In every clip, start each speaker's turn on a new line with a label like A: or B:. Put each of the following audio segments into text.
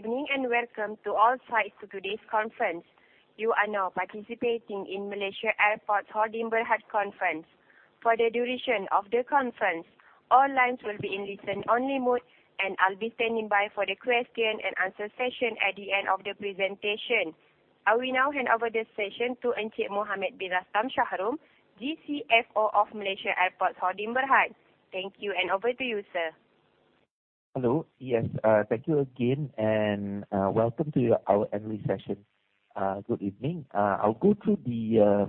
A: Good evening and welcome to all sides to today's conference. You are now participating in Malaysia Airports Holdings Berhad conference. For the duration of the conference, all lines will be in listen-only mode, and I'll be standing by for the question and answer session at the end of the presentation. I will now hand over the session to Encik Mohamed Rastam Shahrom, DCFO of Malaysia Airports Holdings Berhad. Thank you, and over to you, sir.
B: Hello. Yes. Thank you again and, welcome to our annual session. Good evening. I'll go through the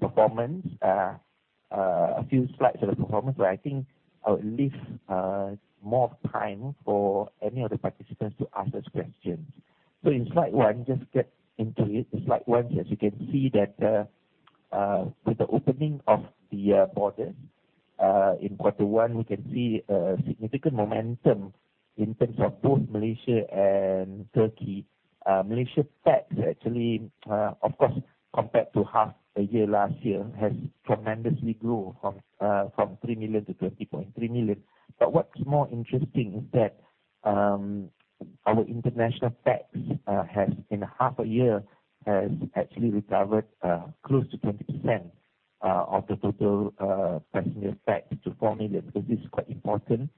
B: performance, a few slides of the performance, where I think I'll leave more time for any of the participants to ask us questions. In slide one, just get into it. Slide one, as you can see that, with the opening of the border, in quarter one, we can see significant momentum in terms of both Malaysia and Turkey. Malaysia pax actually, of course, compared to half a year last year, has tremendously grown from 3 million to 20.3 million. What's more interesting is that our international pax has, in half a year, actually recovered close to 20% of the total passenger pax to 4 million, because this is quite important.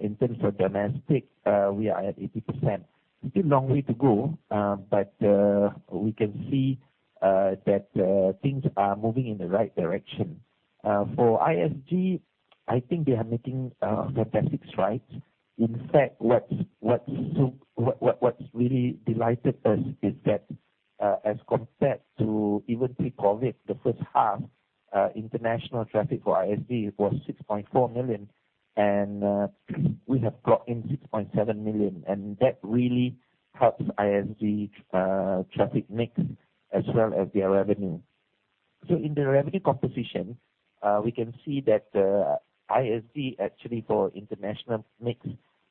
B: In terms of domestic, we are at 80%. Still long way to go, but we can see that things are moving in the right direction. For ISG, I think they are making fantastic strides. In fact, what's really delighted us is that, as compared to even pre-COVID, the first half international traffic for ISG was 6.4 million, and we have brought in 6.7 million, and that really helps ISG traffic mix as well as their revenue. In the revenue composition, we can see that ISG actually for international mix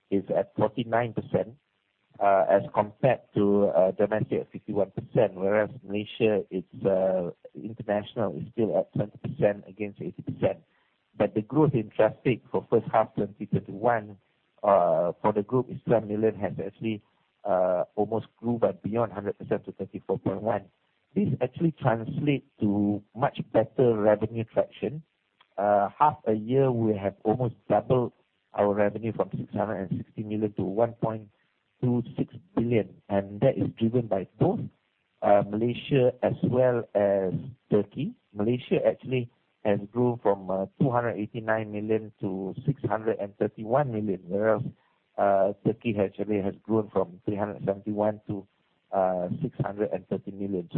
B: is at 49%, as compared to domestic at 51%, whereas Malaysia is international is still at 20% against 80%. The growth in traffic for first half 2021 for the group is 12 million, has actually almost grew by beyond 100% to 34.1. This actually translates to much better revenue traction. Half a year we have almost doubled our revenue from 660 million to 1.26 billion, and that is driven by both Malaysia as well as Turkey. Malaysia actually has grown from 289 million to 631 million, whereas Turkey actually has grown from 371 to 630 million.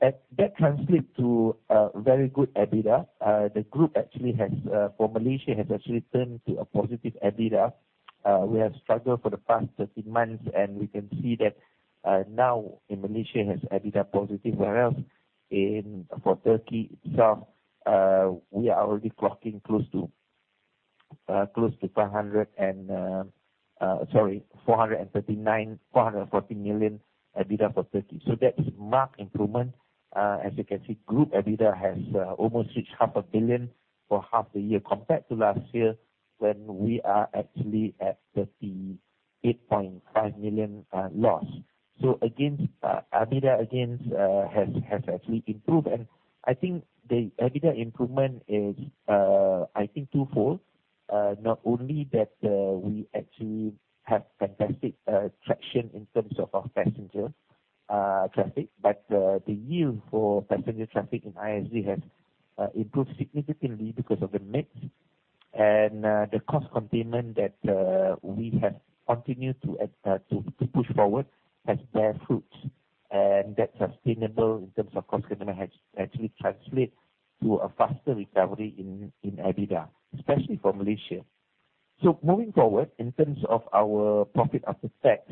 B: That translates to very good EBITDA. The group actually has for Malaysia returned to a positive EBITDA. We have struggled for the past 13 months, and we can see that now Malaysia has EBITDA positive, whereas for Turkey itself we are already clocking close to 439-440 million EBITDA for Turkey. That is marked improvement. As you can see, group EBITDA has almost reached half a billion for half the year compared to last year when we are actually at 38.5 million loss. EBITDA has actually improved. I think the EBITDA improvement is twofold. Not only that, we actually have fantastic traction in terms of our passenger traffic, but the yield for passenger traffic in ISG has improved significantly because of the mix. The cost containment that we have continued to push forward has borne fruit. That's sustainable in terms of cost containment, has actually translated to a faster recovery in EBITDA, especially for Malaysia. Moving forward, in terms of our profit after tax,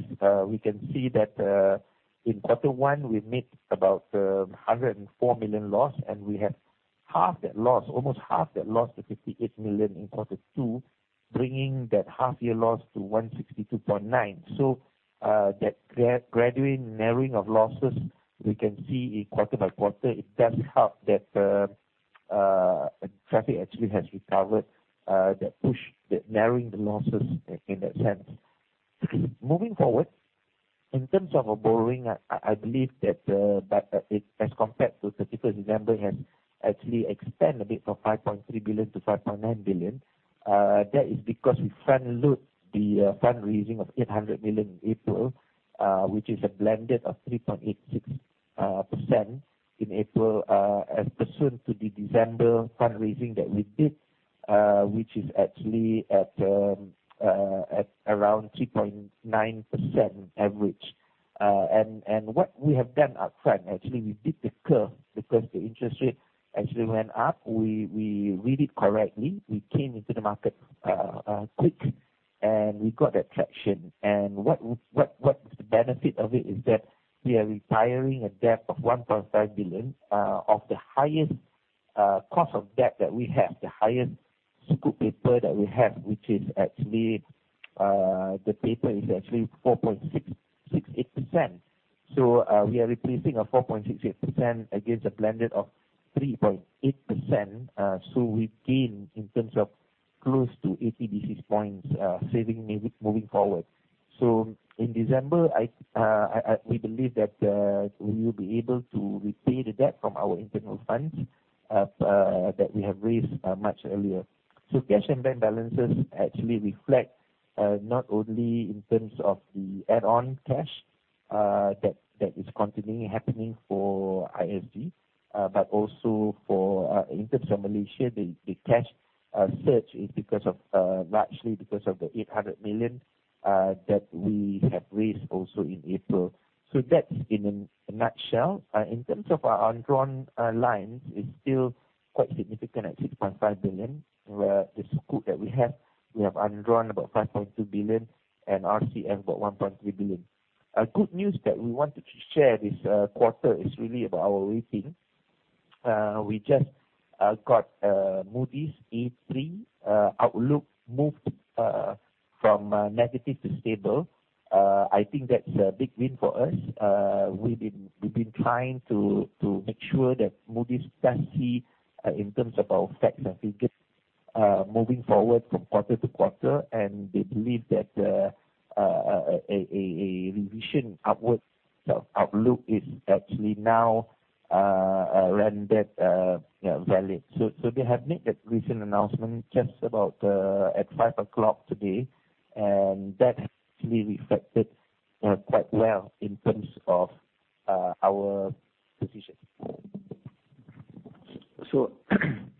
B: we can see that in quarter one, we made about 104 million loss, and we have half that loss, almost half that loss to 58 million in quarter two, bringing that half year loss to 162.9 million. That gradual narrowing of losses, we can see it quarter by quarter. It does help that traffic actually has recovered. That pushed the narrowing of the losses in that sense. Moving forward, in terms of our borrowing, I believe that it, as compared to 31 December, has actually expanded a bit from 5.3 billion to 5.9 billion. That is because we front-load the fundraising of 800 million in April, which is a blend of 3.86% in April, as opposed to the December fundraising that we did, which is actually at around 3.9% average. What we have done upfront, actually we beat the curve, because the interest rate actually went up. We read it correctly. We came into the market quick and we got that traction. What the benefit of it is that we are retiring a debt of 1.5 billion of the highest cost of debt that we have, the highest sukuk paper that we have, which is actually the paper is actually 4.668%. We are replacing a 4.668% against a blended of 3.8%. We gain in terms of close to 80 basis points saving moving forward. In December, we believe that we will be able to repay the debt from our internal funds that we have raised much earlier. Cash and bank balances actually reflect not only in terms of the add-on cash that is continuing happening for ISG but also in terms of Malaysia. The cash surge is largely because of the 800 million that we have raised also in April. That's in a nutshell. In terms of our undrawn lines, it's still quite significant at 6.5 billion, where the Sukuk that we have we have undrawn about 5.2 billion and RCF about 1.3 billion. A good news that we wanted to share this quarter is really about our rating. We just got Moody's A3 outlook moved from negative to stable. I think that's a big win for us. We've been trying to make sure that Moody's does see in terms of our facts and figures moving forward from quarter to quarter. They believe that a revision upward sort of outlook is actually now rendered valid. They have made that recent announcement just about at five o'clock today, and that has to be reflected quite well in terms of our position.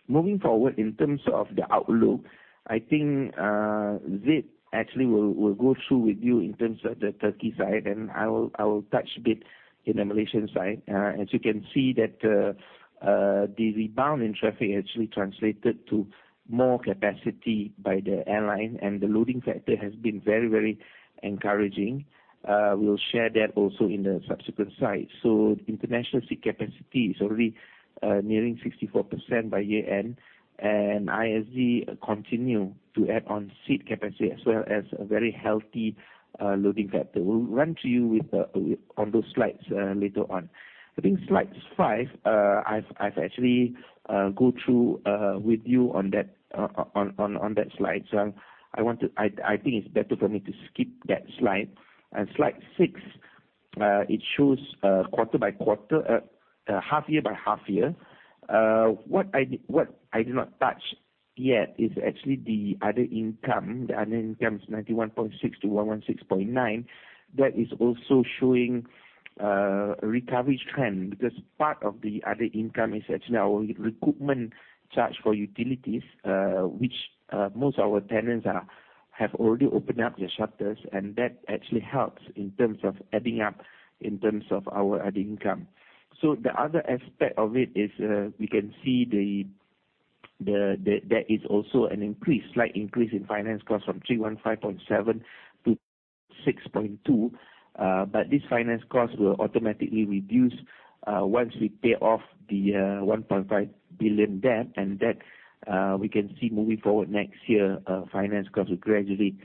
B: Moving forward, in terms of the outlook, I think Zaid actually will go through with you in terms of the Turkey side, and I will touch a bit in the Malaysian side. As you can see that the rebound in traffic actually translated to more capacity by the airline and the loading factor has been very encouraging. We'll share that also in the subsequent slide. International seat capacity is already nearing 64% by year-end. ISG continue to add on seat capacity as well as a very healthy loading factor. We'll run through with you on those slides later on. I think slide 5, I've actually gone through with you on that slide. I want to. I think it's better for me to skip that slide. Slide 6 shows quarter by quarter, half year by half year. What I do not touch yet is actually the other income. The other income is 91.6 million-116.9 million. That is also showing a recovery trend because part of the other income is actually our reimbursement charge for utilities, which most of our tenants have already opened up their shutters and that actually helps in terms of adding up in terms of our other income. The other aspect of it is, we can see there is also an increase, slight increase in finance costs from 315.7 to 6.2. But this finance cost will automatically reduce once we pay off the one point five billion debt and that, we can see moving forward next year, finance cost will gradually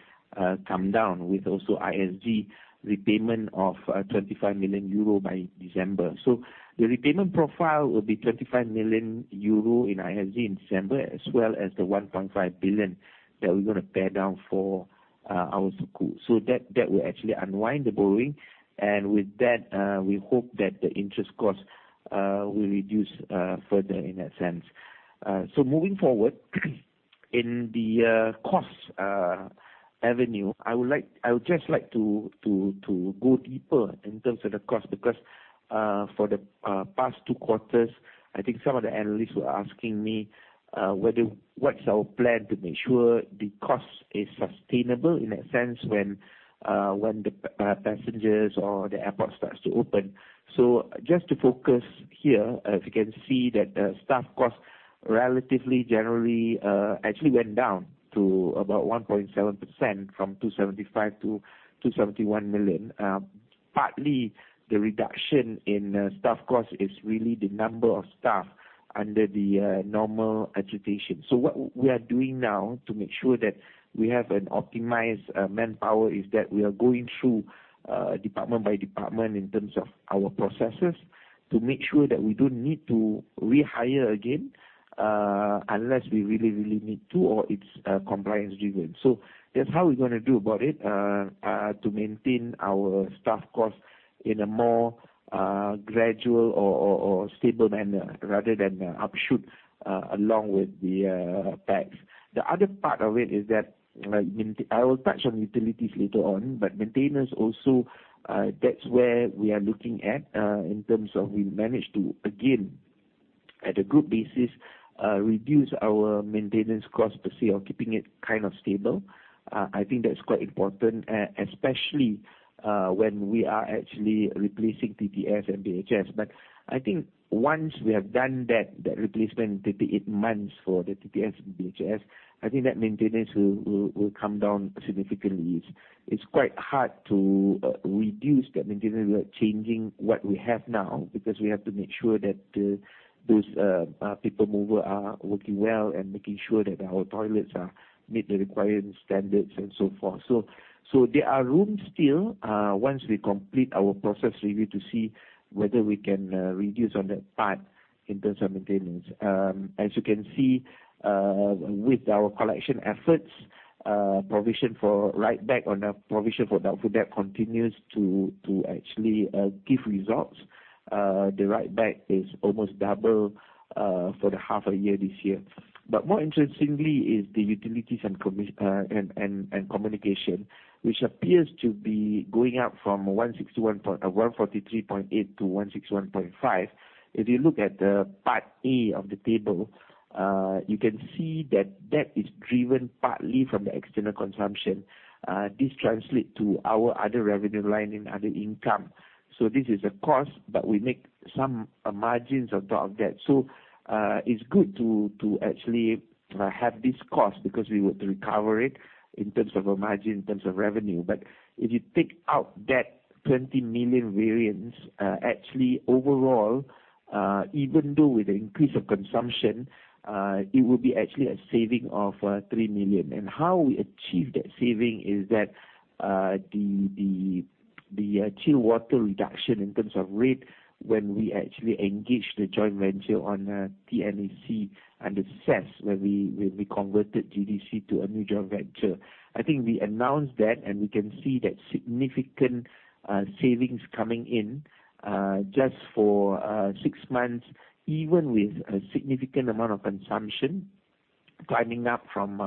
B: come down with also ISG repayment of 25 million euro by December. The repayment profile will be 25 million euro in ISG in December as well as 1.5 billion that we're gonna pay down for our Sukuk. That will actually unwind the borrowing. With that, we hope that the interest cost will reduce further in that sense. Moving forward in the cost avenue, I would just like to go deeper in terms of the cost because for the past two quarters, I think some of the analysts were asking me whether what's our plan to make sure the cost is sustainable in a sense when the passengers or the airport starts to open. Just to focus here, as you can see that, staff cost relatively, generally, actually went down to about 1.7% from 275 million to 271 million. Partly the reduction in staff cost is really the number of staff under the normal attrition. What we are doing now to make sure that we have an optimized manpower is that we are going through department by department in terms of our processes to make sure that we don't need to rehire again unless we really, really need to or it's compliance-driven. That's how we're gonna go about it to maintain our staff cost in a more gradual or stable manner rather than upsurge along with the tasks. The other part of it is that, I will touch on utilities later on, but maintenance also, that's where we are looking at, in terms of we manage to again, at a group basis, reduce our maintenance cost per se or keeping it kind of stable. I think that's quite important, especially, when we are actually replacing TTS and BHS. I think once we have done that, the replacement in 38 months for the TTS and BHS, I think that maintenance will come down significantly. It's quite hard to reduce that maintenance without changing what we have now because we have to make sure that those people mover are working well and making sure that our toilets are meet the required standards and so forth. There are rooms still once we complete our process review to see whether we can reduce on that part in terms of maintenance. As you can see, with our collection efforts, provision for write back on the provision for doubtful debt continues to actually give results. The write back is almost double for the half a year this year. But more interestingly is the utilities and communication, which appears to be going up from 143.8 to 161.5. If you look at the Part A of the table, you can see that that is driven partly from the external consumption. This translates to our other revenue line in other income. This is a cost, but we make some margins above that. It's good to actually have this cost because we would recover it in terms of a margin, in terms of revenue. If you take out that 20 million variance, actually overall, even though with the increase of consumption, it will be actually a saving of 3 million. How we achieve that saving is that the chill water reduction in terms of rate when we actually engage the joint venture on TNEC and as we converted GDC to a new joint venture. I think we announced that, and we can see that significant savings coming in just for six months, even with a significant amount of consumption climbing up from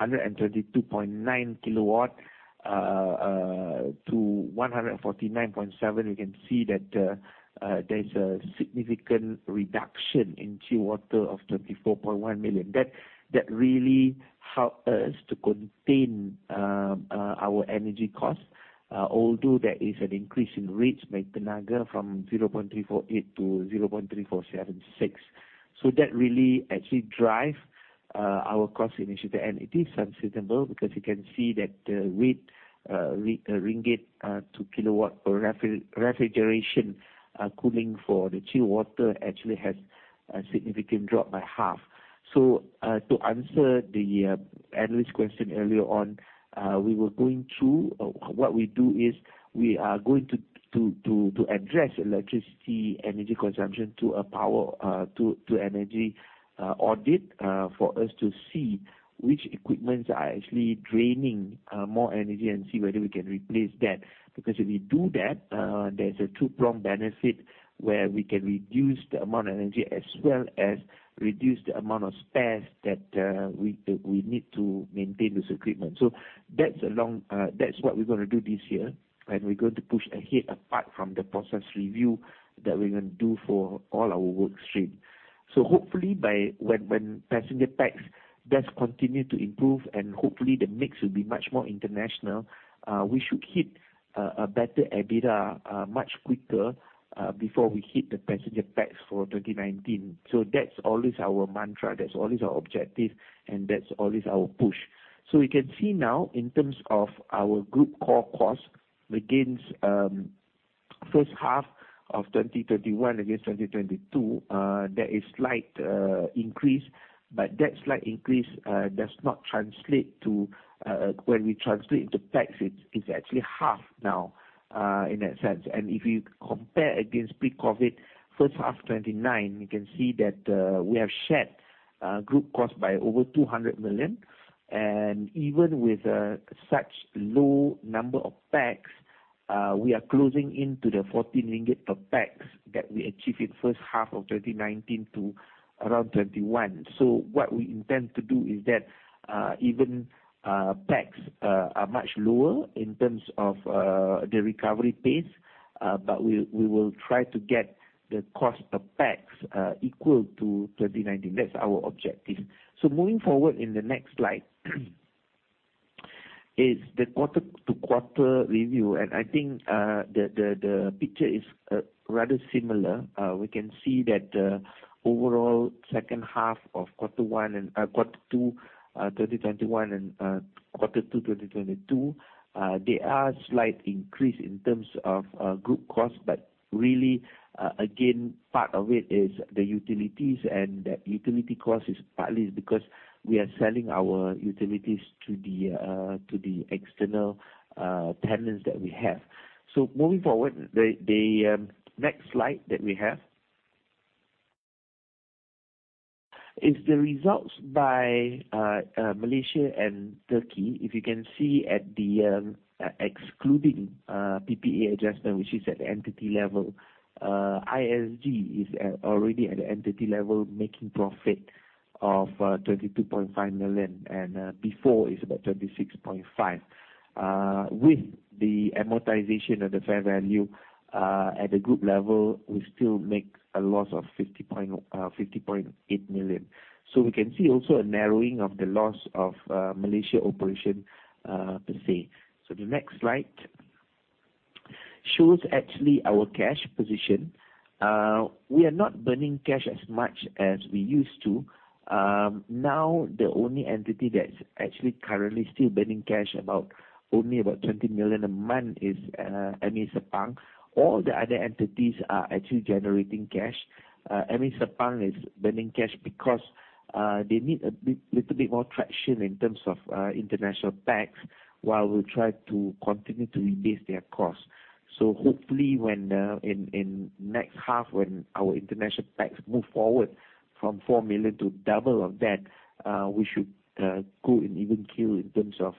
B: 132.9 kW to 149.7 kW. We can see that, there's a significant reduction in chilled water of 34.1 million. That really helps us to contain our energy costs, although there is an increase in rates by Tenaga from 0.348 to 0.3476. That really actually drives our cost initiative. It is sustainable because you can see that ringgit to kilowatt per refrigeration cooling for the chilled water actually has a significant drop by half. To answer the analyst question earlier on, we were going through. What we do is we are going to address electricity energy consumption to an energy audit for us to see which equipment is actually draining more energy and see whether we can replace that. Because if we do that, there's a two-pronged benefit where we can reduce the amount of energy as well as reduce the amount of spares that we need to maintain this equipment. That's what we're gonna do this year, and we're going to push ahead apart from the process review that we're gonna do for all our work stream. When passenger pax does continue to improve and hopefully the mix will be much more international, we should hit a better EBITDA much quicker before we hit the passenger pax for 2019. That's always our mantra, that's always our objective, and that's always our push. We can see now in terms of our group core cost against first half of 2021 against 2022, there is slight increase, but that slight increase does not translate to when we translate into pax, it's actually half now in that sense. If you compare against pre-COVID first half 2019, you can see that we have shed group cost by over 200 million. Even with such low number of pax, we are closing in to the 40 ringgit per pax that we achieve in first half of 2019 to around 21. What we intend to do is that even pax are much lower in terms of the recovery pace, but we will try to get the cost of pax equal to 2019. That's our objective. Moving forward in the next slide is the quarter-to-quarter review. I think the picture is rather similar. We can see that overall second half of quarter one and quarter two 2021 and quarter two 2022 there are slight increase in terms of group cost. Really, again, part of it is the utilities and the utility cost is partly because we are selling our utilities to the external tenants that we have. Moving forward, the next slide that we have is the results by Malaysia and Turkey. If you can see, excluding PPA adjustment, which is at the entity level, ISG is already at the entity level making profit of 22.5 million. Before it's about 26.5 million. With the amortization of the fair value at the group level, we still make a loss of 50.8 million. We can see also a narrowing of the loss of Malaysia operation per se. The next slide shows actually our cash position. We are not burning cash as much as we used to. Now the only entity that's actually currently still burning cash, only about 20 million a month is MI Sepang. All the other entities are actually generating cash. MI Sepang is burning cash because they need a bit, little bit more traction in terms of international pax, while we try to continue to reduce their costs. Hopefully when in next half, when our international pax move forward from 4 million to double of that, we should go in even keel in terms of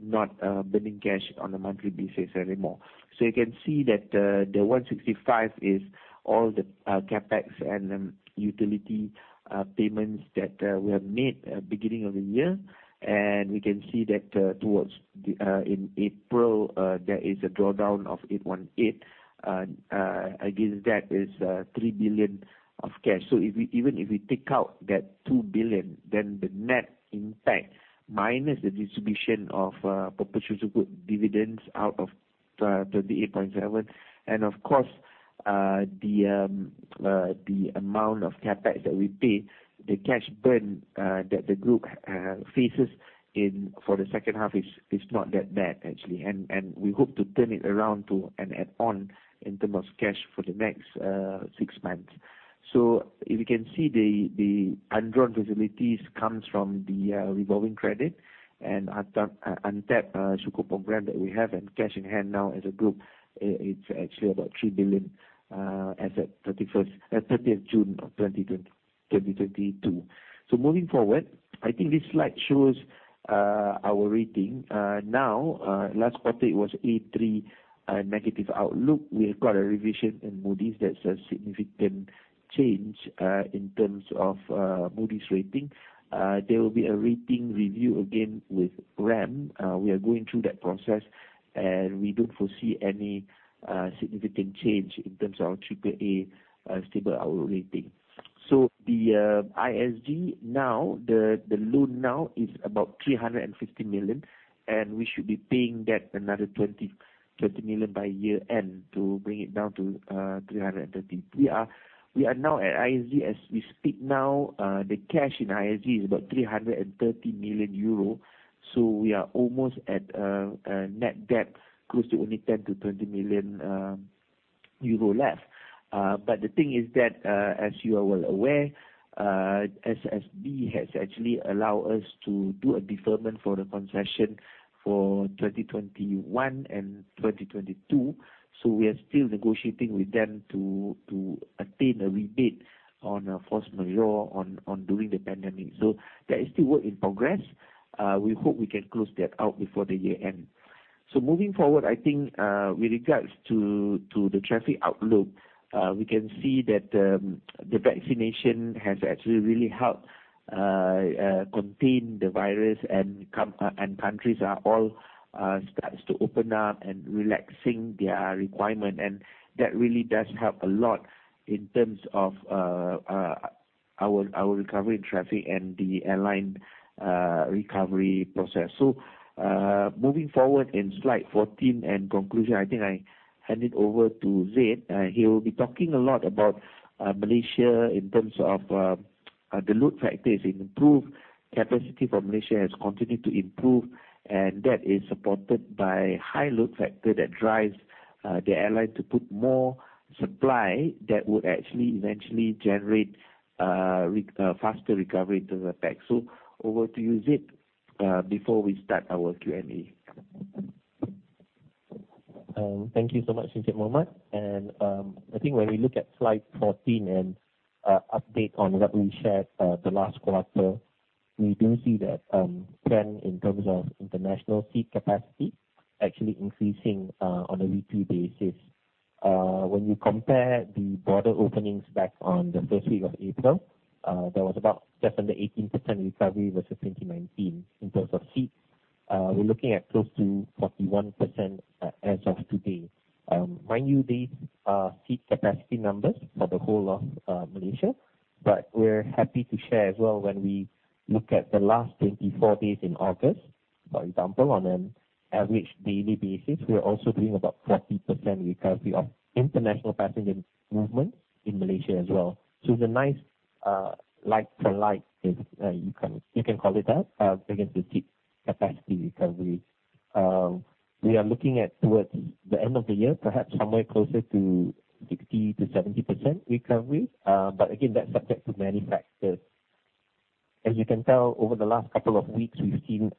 B: not burning cash on a monthly basis anymore. You can see that the 165 is all the CapEx and utility payments that we have made at beginning of the year. We can see that towards the end in April there is a drawdown of 818. Against that is 3 billion of cash. Even if we take out that 2 billion, then the net impact minus the distribution of perpetual dividends out of 38.7. Of course, the amount of CapEx that we pay, the cash burn that the group faces for the second half is not that bad actually. We hope to turn it around to an add-on in terms of cash for the next six months. If you can see the undrawn facilities come from the revolving credit and untapped Sukuk program that we have and cash in hand now as a group, it's actually about 3 billion as at 30 June 2022. Moving forward, I think this slide shows our rating. Last quarter it was A3 negative outlook. We have got a revision in Moody's. That's a significant change in terms of Moody's rating. There will be a rating review again with RAM. We are going through that process, and we don't foresee any significant change in terms of our AAA stable outlook rating. The ISG now, the loan now is about 350 million, and we should be paying that another 20 million by year-end to bring it down to 330 million. We are now at ISG. As we speak now, the cash in ISG is about 330 million euro. We are almost at net debt close to only 10 million-20 million euro left. But the thing is that, as you are well aware, SSB has actually allow us to do a deferment for the concession for 2021 and 2022. We are still negotiating with them to attain a rebate on a force majeure during the pandemic. That is still work in progress. We hope we can close that out before the year-end. Moving forward, I think, with regards to the traffic outlook, we can see that the vaccination has actually really helped contain the virus and countries are all starts to open up and relaxing their requirement. That really does help a lot in terms of our recovery in traffic and the airline recovery process. Moving forward in slide 14 and conclusion, I think I hand it over to Zaid. He will be talking a lot about Malaysia in terms of the load factor is improved. Capacity for Malaysia has continued to improve, and that is supported by high load factor that drives the airline to put more supply that would actually eventually generate faster recovery in the sector. Over to you, Zeid, before we start our Q&A. Thank you so much, Encik Mohamed. I think when we look at slide 14 and update on what we shared the last quarter, we do see that trend in terms of international seat capacity actually increasing on a weekly basis. When you compare the border openings back on the first week of April, there was about just under 18% recovery versus 2019. In terms of seats, we're looking at close to 41% as of today. Mind you, these are seat capacity numbers for the whole of Malaysia, but we're happy to share as well when we look at the last 24 days in August, for example, on an average daily basis, we are also doing about 40% recovery of international passenger movement in Malaysia as well. It's a nice, like to like, if you can call it that, again to seat capacity recovery. We are looking at towards the end of the year, perhaps somewhere closer to 60%-70% recovery. But again, that's subject to many factors. As you can tell, over the last couple of weeks, we've seen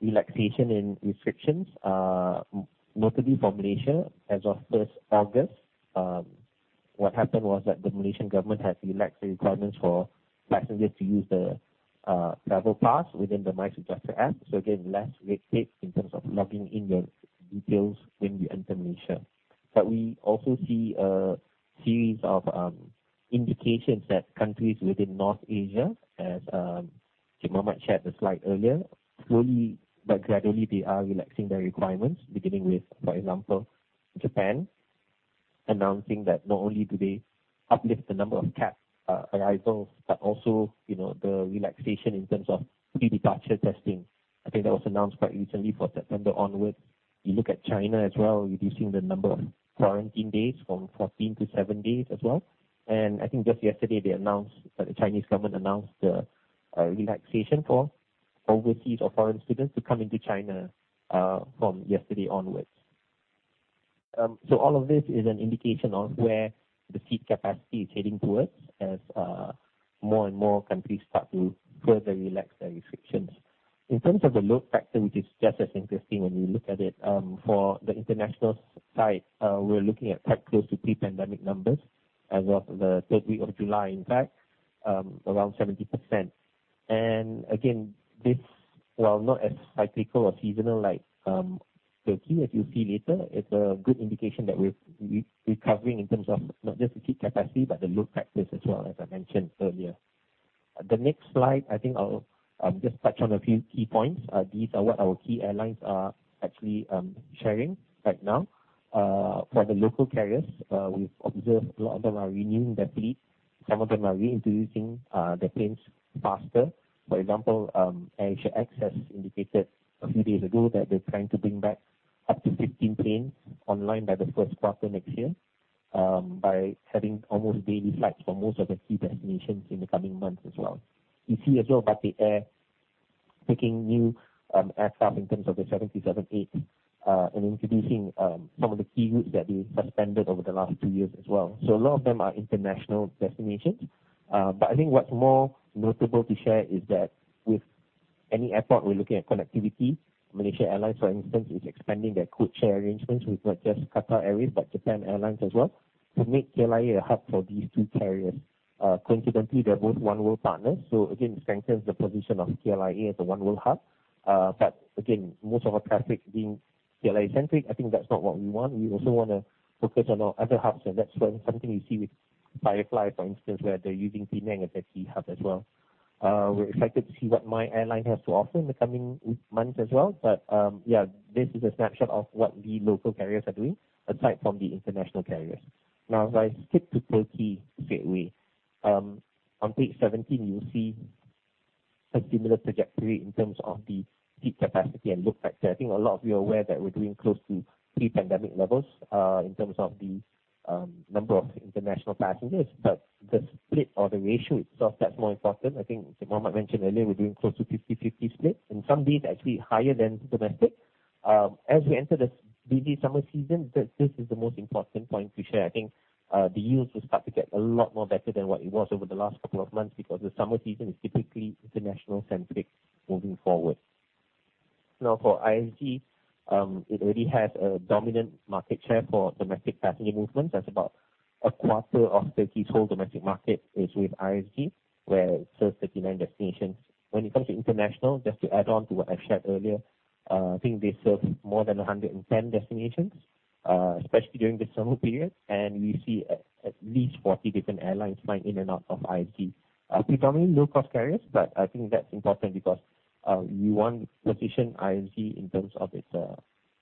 B: relaxation in restrictions, notably for Malaysia. As of first August, what happened was that the Malaysian government has relaxed the requirements for passengers to use the travel pass within the MySejahtera app. Again, less red tape in terms of logging in your details when you enter Malaysia. We also see a series of indications that countries within North Asia, as Mohammad shared the slide earlier, slowly but gradually they are relaxing their requirements, beginning with, for example, Japan announcing that not only do they uplift the number of capped arrivals, but also the relaxation in terms of pre-departure testing. I think that was announced quite recently for September onward. You look at China as well, reducing the number of quarantine days from 14 to 7 days as well. I think just yesterday the Chinese government announced the relaxation for overseas or foreign students to come into China from yesterday onwards. All of this is an indication of where the seat capacity is heading towards as more and more countries start to further relax their restrictions. In terms of the load factor, which is just as interesting when we look at it, for the international side, we're looking at quite close to pre-pandemic numbers as of 30 July, in fact, around 70%. Again, this, while not as cyclical or seasonal like Turkey, as you'll see later, it's a good indication that we're recovering in terms of not just the seat capacity, but the load factors as well, as I mentioned earlier. The next slide, I think I'll just touch on a few key points. These are what our key airlines are actually sharing right now. For the local carriers, we've observed a lot of them are renewing their fleet. Some of them are reintroducing the planes faster. For example, AirAsia X has indicated a few days ago that they're trying to bring back up to 15 planes online by the first quarter next year, by having almost daily flights for most of the key destinations in the coming months as well. You see as well Batik Air taking new aircraft in terms of the 737-8, and introducing some of the key routes that they suspended over the last two years as well. A lot of them are international destinations. I think what's more notable to share is that with any airport, we're looking at connectivity. Malaysia Airlines, for instance, is expanding their code share arrangements with not just Qatar Airways, but Japan Airlines as well, to make KLIA a hub for these two carriers. Coincidentally, they're both Oneworld partners, so again, strengthens the position of KLIA as a Oneworld hub. Again, most of our traffic being KL-centric, I think that's not what we want. We also wanna focus on our other hubs, and that's when something you see with Firefly, for instance, where they're using Penang as a key hub as well. We're excited to see what MYAirline has to offer in the coming months as well. this is a snapshot of what the local carriers are doing aside from the international carriers. If I skip to Turkey straightaway, on page 17 you'll see a similar trajectory in terms of the seat capacity and load factor. I think a lot of you are aware that we're doing close to pre-pandemic levels, in terms of the number of international passengers. The split or the ratio itself, that's more important. I think Mohamed mentioned earlier, we're doing close to 50/50 split, and some days actually higher than domestic. As we enter this busy summer season, this is the most important point to share. I think, the yields will start to get a lot more better than what it was over the last couple of months, because the summer season is typically international-centric moving forward. Now, for ISG, it already has a dominant market share for domestic passenger movements. That's about a quarter of Turkey's whole domestic market is with ISG, where it serves 39 destinations. When it comes to international, just to add on to what I've shared earlier, I think they serve more than 110 destinations, especially during the summer period. We see at least 40 different airlines flying in and out of ISG. Predominantly low cost carriers, but I think that's important because we want to position ISG in terms of its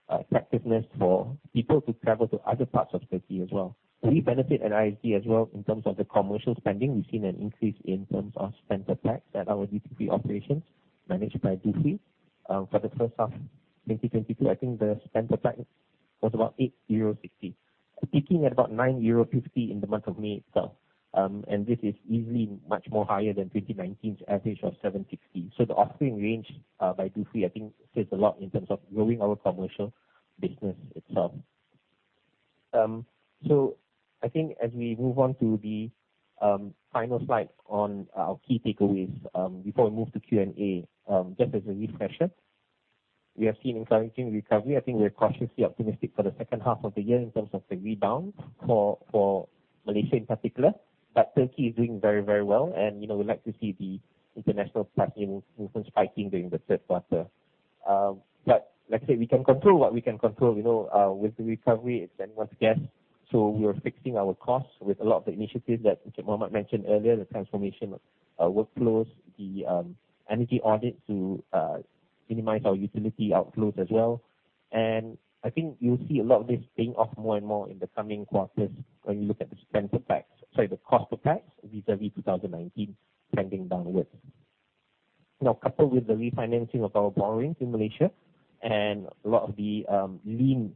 B: attractiveness for people to travel to other parts of Turkey as well. We benefit in ISG as well in terms of the commercial spending. We've seen an increase in terms of spend per pax at our duty free operations managed by Dufry. For the first half 2022, I think the spend per pax was about 8.50 euro, peaking at about 9.50 euro in the month of May itself. This is easily much more higher than 2019's average of 7.50. The offering range by Dufry, I think, says a lot in terms of growing our commercial business itself. I think as we move on to the final slide on our key takeaways, before we move to Q&A, just as a refresher, we have seen encouraging recovery. I think we're cautiously optimistic for the second half of the year in terms of the rebound for Malaysia in particular. Turkey is doing very, very well and, you know, we'd like to see the international passenger movement spiking during the third quarter. Like I said, we can control what we can control, you know. With the recovery, it's anyone's guess. We are fixing our costs with a lot of the initiatives that Mohamed mentioned earlier, the transformation of workflows, the energy audit to minimize our utility outflows as well. I think you'll see a lot of this paying off more and more in the coming quarters when you look at the spend per pax, sorry, the cost per pax vis-à-vis 2019 trending downwards. Now, coupled with the refinancing of our borrowings in Malaysia and a lot of the lean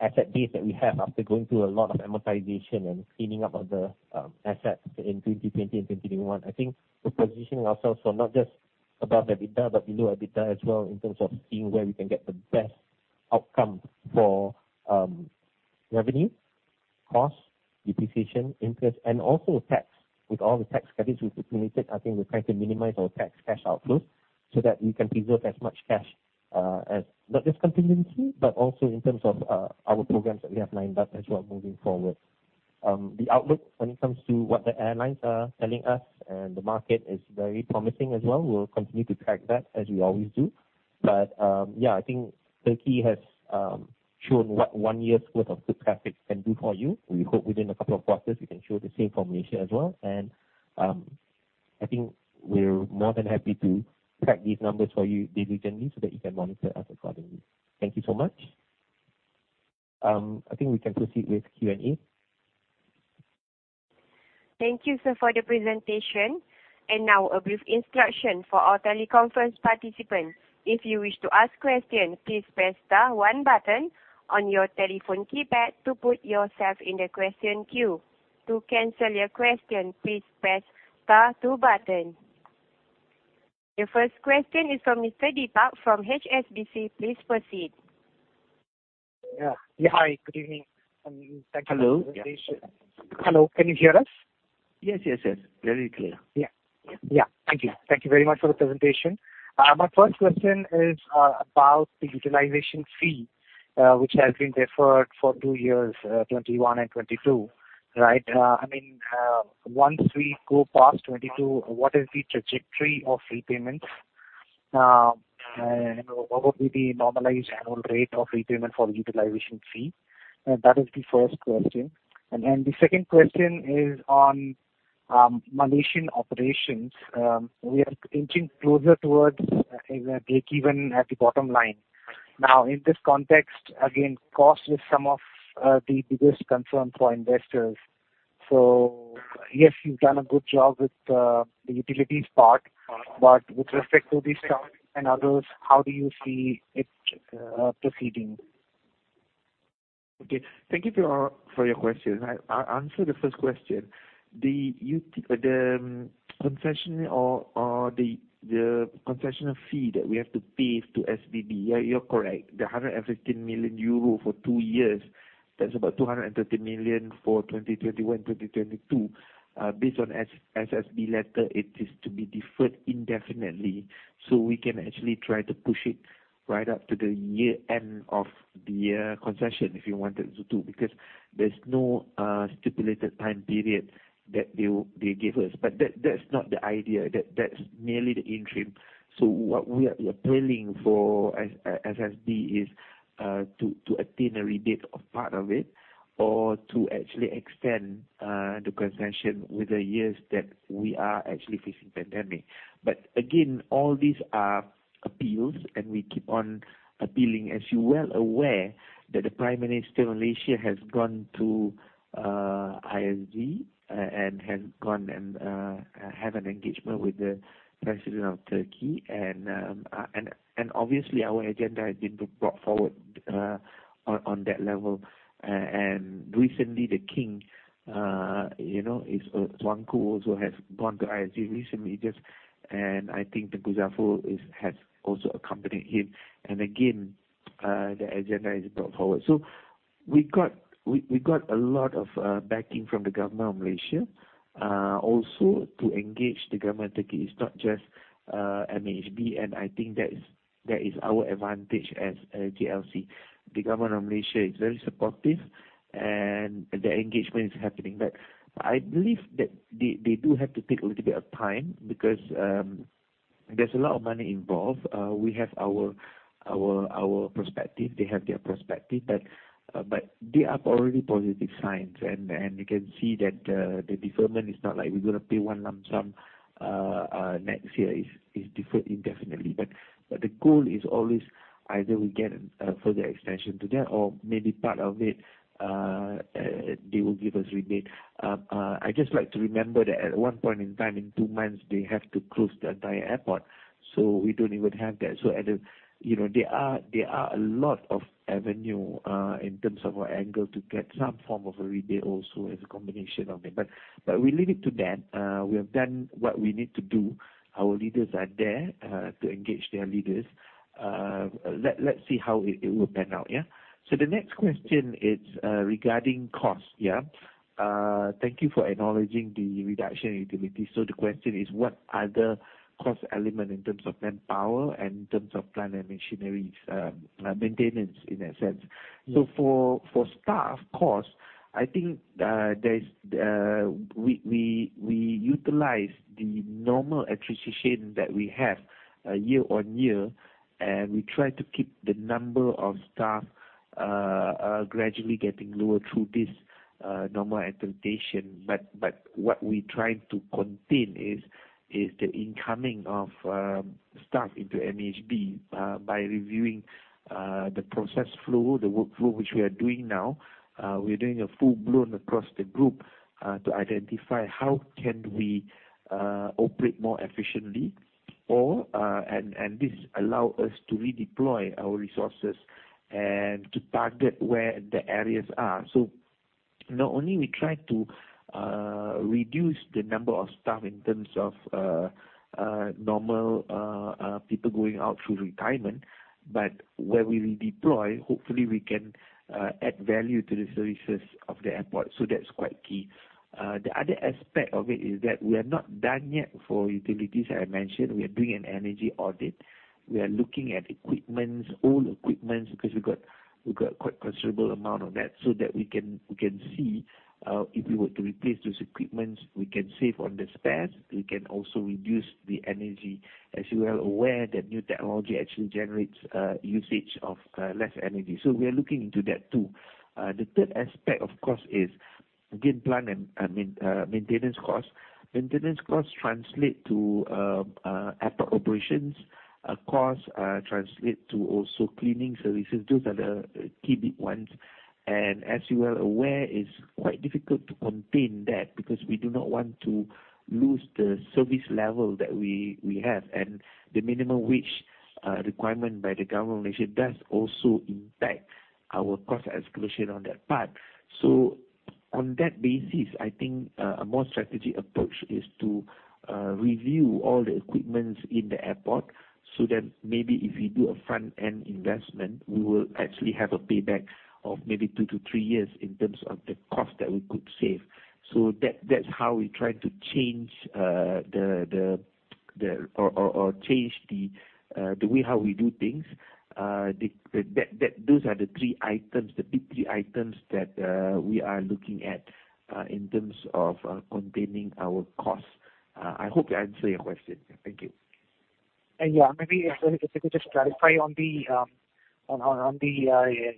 B: asset base that we have after going through a lot of amortization and cleaning up of the assets in 2020 and 2021, I think we're positioning ourselves for not just above EBITDA but below EBITDA as well in terms of seeing where we can get the best outcome for revenue, costs, depreciation, interest, and also tax. With all the tax strategies we've implemented, I think we're trying to minimize our tax cash outflows so that we can preserve as much cash as not just contingency, but also in terms of our programs that we have lined up as well moving forward. The outlook when it comes to what the airlines are telling us and the market is very promising as well. We'll continue to track that as we always do. Yeah, I think Turkey has shown what one year's worth of good traffic can do for you. We hope within a couple of quarters we can show the same for Malaysia as well. I think we're more than happy to track these numbers for you diligently so that you can monitor us accordingly. Thank you so much. I think we can proceed with Q&A.
A: Thank you, sir, for the presentation. Now a brief instruction for our teleconference participants. If you wish to ask question, please press star one button on your telephone keypad to put yourself in the question queue. To cancel your question, please press star two button. Your first question is from Mr. Deepak from HSBC. Please proceed.
B: Hello?
C: Hi. Good evening, and thank you for the presentation.
B: Hello?
C: Hello. Can you hear us?
B: Yes. Very clear.
C: Thank you very much for the presentation. My first question is about the utilization fee, which has been deferred for two years, 2021 and 2022, right? I mean, once we go past 2022, what is the trajectory of repayments? And what would be the normalized annual rate of repayment for the utilization fee? That is the first question. Then the second question is on Malaysian operations. We are inching closer towards, you know, breakeven at the bottom line. Now, in this context, again, cost is some of the biggest concern for investors. Yes, you have done a good job with the utilities part. With respect to the staff and others, how do you see it proceeding?
B: Thank you for your question. I'll answer the first question. The concession of fee that we have to pay to SSB, yeah, you're correct. The 115 million euro for two years, that's about 230 million for 2021, 2022. Based on SSB letter, it is to be deferred indefinitely, so we can actually try to push it right up to the year end of the concession if you wanted to do, because there's no stipulated time period that they give us. That's not the idea. That's merely the interim. We are planning for as SSB is to attain a rebate of part of it or to actually extend the concession with the years that we are actually facing pandemic. Again, all these are appeals, and we keep on appealing. As you're well aware that the Prime Minister of Malaysia has gone to ISG and had an engagement with the President of Turkey and obviously, our agenda has been brought forward on that level. Recently, the king, Tuanku also has gone to ISG recently just, and I think Tengku Zafrul has also accompanied him. Again, the agenda is brought forward. We got a lot of backing from the government of Malaysia, also to engage the government of Turkey. It's not just MAHB, and I think that is our advantage as a GLC. The government of Malaysia is very supportive and the engagement is happening. I believe that they do have to take a little bit of time because there's a lot of money involved. We have our perspective, they have their perspective, but there are already positive signs and you can see that the deferment is not like we're gonna pay one lump sum next year. It's deferred indefinitely. The goal is always either we get a further extension to that or maybe part of it, they will give us rebate. I just like to remember that at one point in time, in two months, they have to close the entire airport, so we don't even have that. You know, there are a lot of avenues in terms of our angle to get some form of a rebate also as a combination of it. But we leave it to that. We have done what we need to do. Our leaders are there to engage their leaders. Let's see how it will pan out, yeah? The next question is regarding cost, Thank you for acknowledging the reduction in utilities. The question is, what are the cost elements in terms of manpower and in terms of plant and machineries, maintenance in that sense? For staff costs, I think, there's we utilize the normal attrition that we have year on year, and we try to keep the number of staff gradually getting lower through this normal attrition. What we try to contain is the incoming of staff into MAHB by reviewing the process flow, the workflow which we are doing now. We're doing a full blown across the group to identify how can we operate more efficiently or, and this allow us to redeploy our resources and to target where the areas are. Not only do we try to reduce the number of staff in terms of normal people going out through retirement, but where we redeploy, hopefully we can add value to the services of the airport. That's quite key. The other aspect of it is that we are not done yet for utilities. As I mentioned, we are doing an energy audit. We are looking at equipment, old equipment, because we got quite considerable amount of that so that we can see if we were to replace those equipment, we can save on the spares. We can also reduce the energy. As you are well aware that new technology actually generates usage of less energy. We are looking into that too. The third aspect of cost is, again, plant and maintenance costs. Maintenance costs translate to airport operations. Costs also translate to cleaning services. Those are the key big ones. As you are well aware, it's quite difficult to contain that because we do not want to lose the service level that we have. The minimum wage requirement by the Government of Malaysia does also impact our cost escalation on that part. On that basis, I think a more strategic approach is to review all the equipment in the airport so that maybe if we do a front-end investment, we will actually have a payback of maybe two to three years in terms of the cost that we could save. That's how we try to change the way how we do things. Those are the three items, the big three items that we are looking at in terms of containing our costs. I hope that answered your question. Thank you.
C: Maybe if I could just clarify on the utilization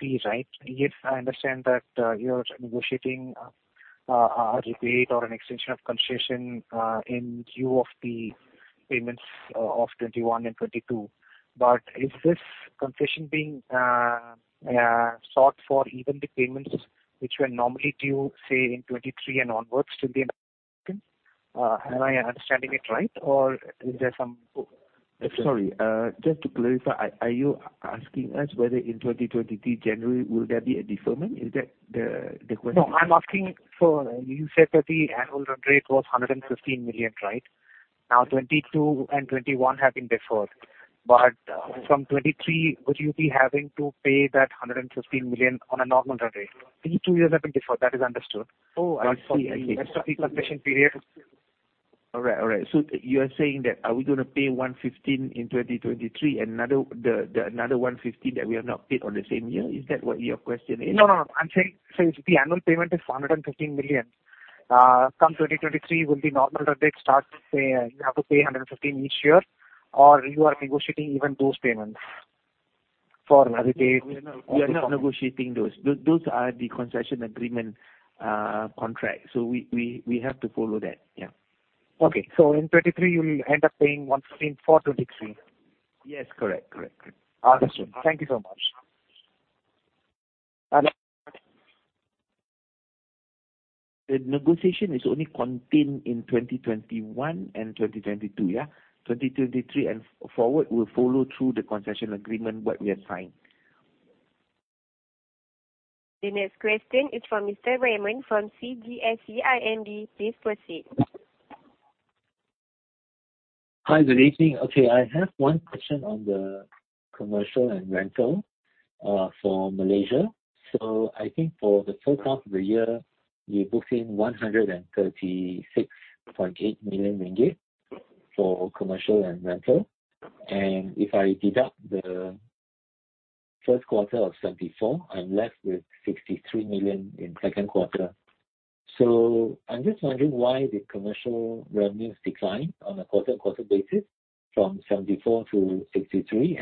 C: fees, right? If I understand that, you're negotiating a rebate or an extension of concession in lieu of the payments of 2021 and 2022. Is this concession being sought for even the payments which were normally due, say, in 2023 and onwards to the end? Am I understanding it right, or is there some-
B: Sorry, just to clarify, are you asking us whether in 2023 January will there be a deferment? Is that the question?
C: No, you said that the annual run rate was 115 million, right? Now 2022 and 2021 have been deferred. From 2023, would you be having to pay that 115 million on a normal run rate? These two years have been deferred, that is understood.
B: Oh, I see.
C: For the rest of the concession period.
B: All right. You are saying that are we gonna pay 115 in 2023, and another 115 that we have not paid in the same year? Is that what your question is?
C: I'm saying since the annual payment is 115 million, come 2023 will be normal run rate start to pay, you have to pay 115 million each year, or you are negotiating even those payments for another delay?
B: We are not negotiating those. Those are the concession agreement, contract. We have to follow that.
C: Okay. In 2023, you'll end up paying 115 for 23?
B: Yes. Correct.
C: Understood. Thank you so much.
B: The negotiation is only contained in 2021 and 2022, yeah. 2023 and forward, we'll follow through the concession agreement what we have signed.
A: The next question is from Mr. Raymond Yap from CGS-CIMB. Please proceed.
D: Hi, good evening. Okay, I have one question on the commercial and rental for Malaysia. I think for the first half of the year, you booked in 136.8 million ringgit for commercial and rental. If I deduct the first quarter of 74, I'm left with 63 million in second quarter. I'm just wondering why the commercial revenues declined on a quarter-on-quarter basis from 74 to 63.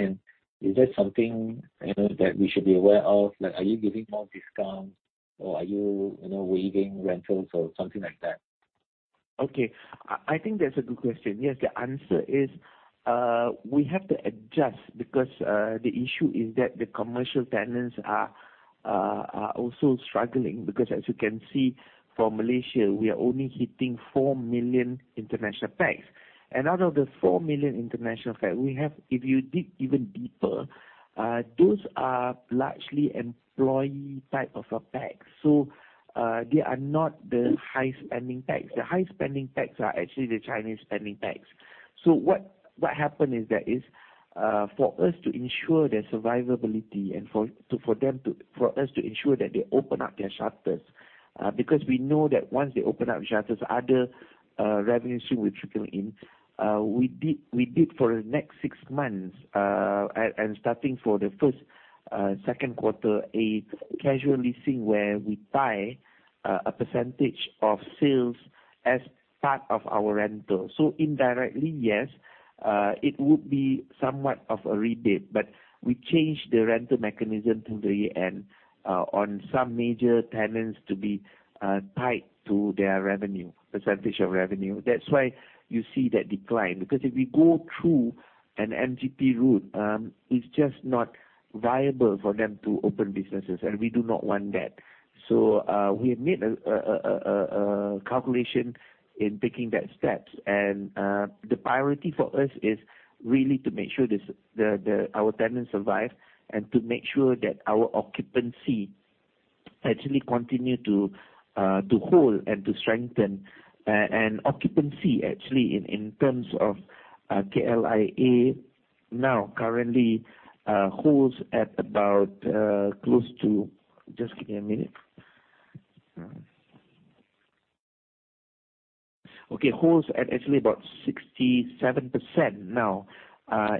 D: Is that something, you know, that we should be aware of? Like, are you giving more discounts or are you know, waiving rentals or something like that?
B: Okay. I think that's a good question. Yes, the answer is, we have to adjust because the issue is that the commercial tenants are also struggling because as you can see from Malaysia, we are only hitting 4 million international pax. Out of the 4 million international pax we have, if you dig even deeper, those are largely employee type of pax. They are not the high-spending pax. The high-spending pax are actually the Chinese spending pax. What happened is that for us to ensure their survivability and for them to open up their shutters, because we know that once they open up shutters, other revenue soon will trickle in. We did for the next six months and starting for the first second quarter a casual leasing where we tie a percentage of sales as part of our rental. Indirectly, yes, it would be somewhat of a rebate. We changed the rental mechanism to the end on some major tenants to be tied to their revenue, percentage of revenue. That's why you see that decline. Because if we go through an MGR route, it's just not viable for them to open businesses, and we do not want that. We have made a calculation in taking that steps. The priority for us is really to make sure our tenants survive and to make sure that our occupancy actually continue to hold and to strengthen. Occupancy actually in terms of KLIA now currently holds at about 67%.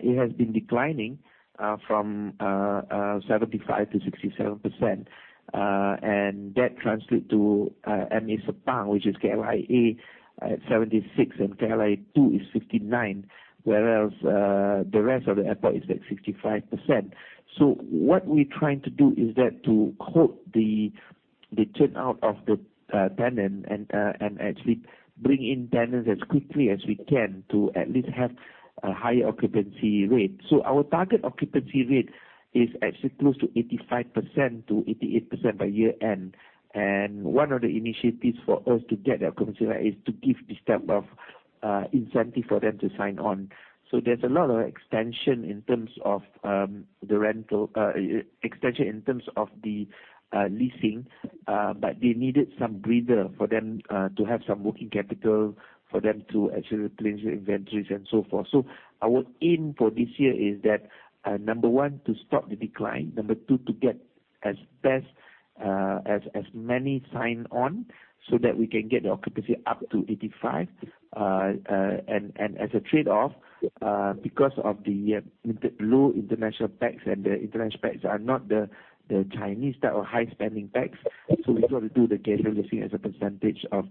B: It has been declining from 75% to 67%. That translate to MA Sepang, which is KLIA at 76%, and KLIA2 is 59%, whereas the rest of the airport is like 65%. What we're trying to do is that to hold the turnover of the tenant and actually bring in tenants as quickly as we can to at least have a higher occupancy rate. Our target occupancy rate is actually close to 85%-88% by year-end. One of the initiatives for us to get that occupancy rate is to give sort of incentive for them to sign on. There's a lot of extension in terms of the rental extension in terms of the leasing. But they needed some breather for them to have some working capital for them to actually cleanse their inventories and so forth. Our aim for this year is that number 1, to stop the decline. Number 2, to get as best as many sign on so that we can get the occupancy up to 85%. As a trade-off, because of the low international pax and the international pax are not the Chinese type or high-spending pax, so we've got to do the casual leasing as a percentage of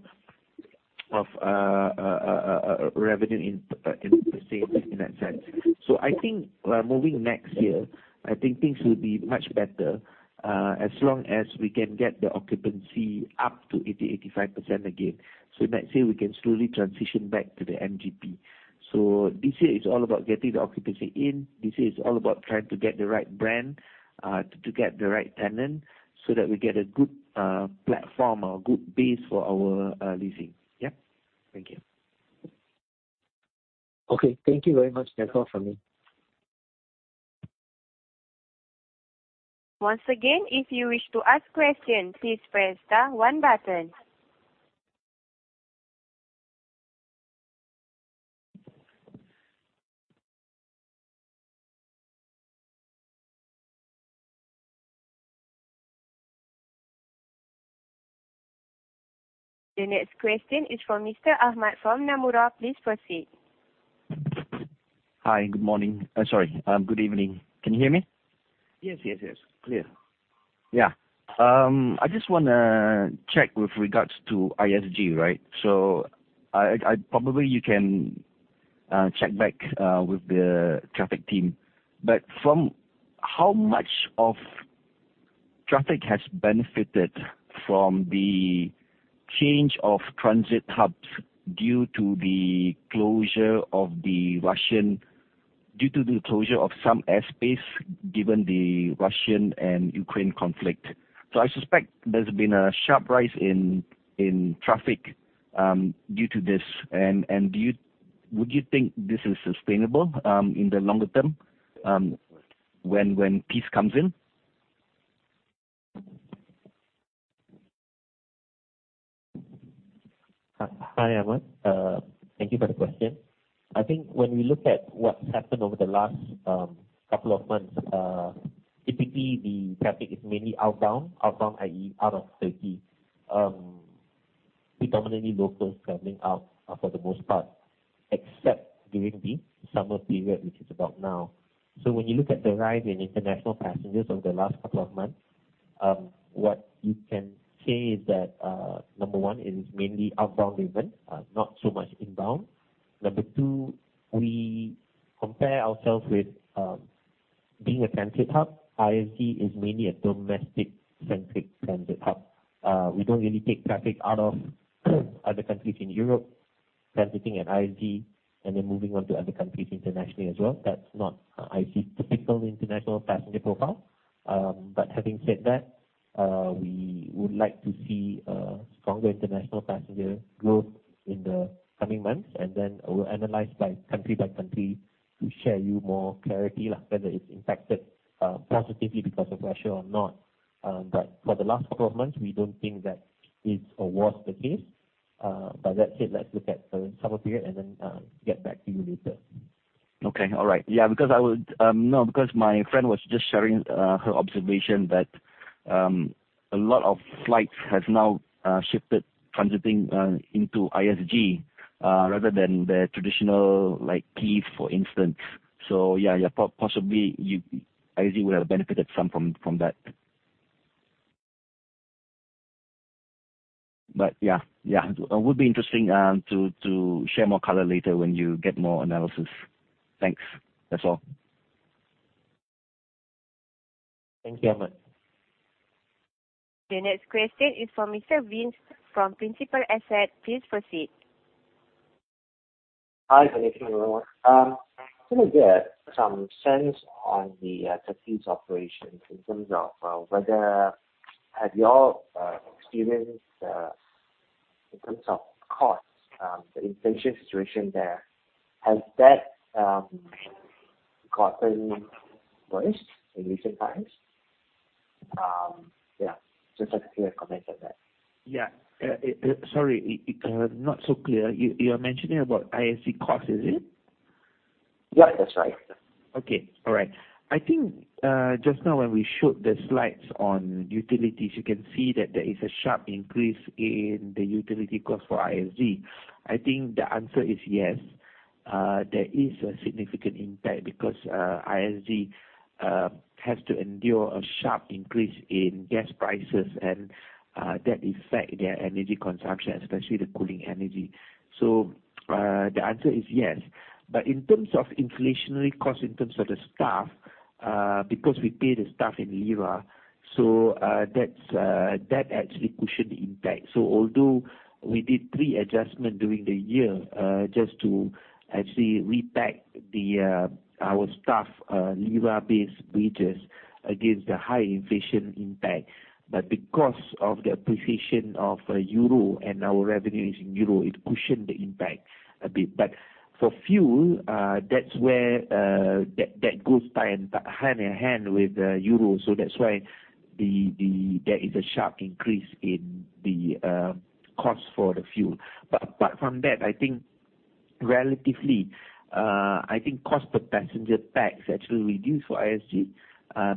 B: revenue in the same sense. I think moving next year, things will be much better, as long as we can get the occupancy up to 80-85% again. Next year, we can slowly transition back to the MGR. This year is all about getting the occupancy in. This year is all about trying to get the right brand to get the right tenant so that we get a good platform or a good base for our leasing. Yeah. Thank you.
D: Okay. Thank you very much. That's all from me.
A: Once again, if you wish to ask questions, please press star one button. The next question is from Mr. Ahmad from Nomura. Please proceed.
E: Hi. Good morning. Sorry, good evening. Can you hear me?
B: Yes. Clear.
E: I just wanna check with regards to ISG, right? Probably you can check back with the traffic team. From how much of traffic has benefited from the change of transit hubs due to the closure of some airspace given the Russia-Ukraine conflict? I suspect there's been a sharp rise in traffic due to this. Would you think this is sustainable in the longer term when peace comes in?
B: Hi, Ahmad. Thank you for the question. I think when we look at what's happened over the last couple of months, typically the traffic is mainly outbound. Outbound, i.e., out of Turkey. Predominantly locals traveling out, for the most part, except during the summer period, which is about now. When you look at the rise in international passengers over the last couple of months, what you can say is that, number one, it is mainly outbound movement, not so much inbound. Number two, we compare ourselves with being a transit hub. ISG is mainly a domestic-centric transit hub. We don't really take traffic out of other countries in Europe transiting at ISG and then moving on to other countries internationally as well. That's not ISG typical international passenger profile. Having said that, we would like to see stronger international passenger growth in the coming months, and then we'll analyze by country by country to share you more clarity, like, whether it's impacted positively because of Russia or not. For the last couple of months, we don't think that it's or was the case. That said, let's look at the summer period and then get back to you later.
E: No, because my friend was just sharing her observation that a lot of flights has now shifted transiting into ISG rather than the traditional, like, KLIA, for instance. Yeah, possibly ISG will have benefited some from that. Yeah. It would be interesting to share more color later when you get more analysis. Thanks. That's all.
B: Thank you, Ahmad.
A: The next question is for Mr. Vince from Principal Asset Management. Please proceed.
F: Hi. Good evening, everyone. Can we get some sense on the Turkey's operations in terms of whether have you all experienced in terms of costs the inflation situation there, has that gotten worse in recent times? Yeah, just a clear comment on that.
B: Sorry. Not so clear. You're mentioning about ISG costs, is it?
F: that's right.
B: Okay. All right. I think, just now when we showed the slides on utilities, you can see that there is a sharp increase in the utility cost for ISG. I think the answer is yes. There is a significant impact because ISG has to endure a sharp increase in gas prices and that affects their energy consumption, especially the cooling energy. The answer is yes. In terms of inflationary costs in terms of the staff, because we pay the staff in lira, so that actually cushions the impact. Although we did three adjustments during the year just to actually repack our staff lira-based wages against the high inflation impact. Because of the appreciation of euro and our revenue is in euro, it cushioned the impact a bit. For fuel, that's where that goes hand in hand with the euro. That's why there is a sharp increase in the cost for the fuel. Apart from that, I think relatively, I think cost per passenger pax actually reduced for ISG,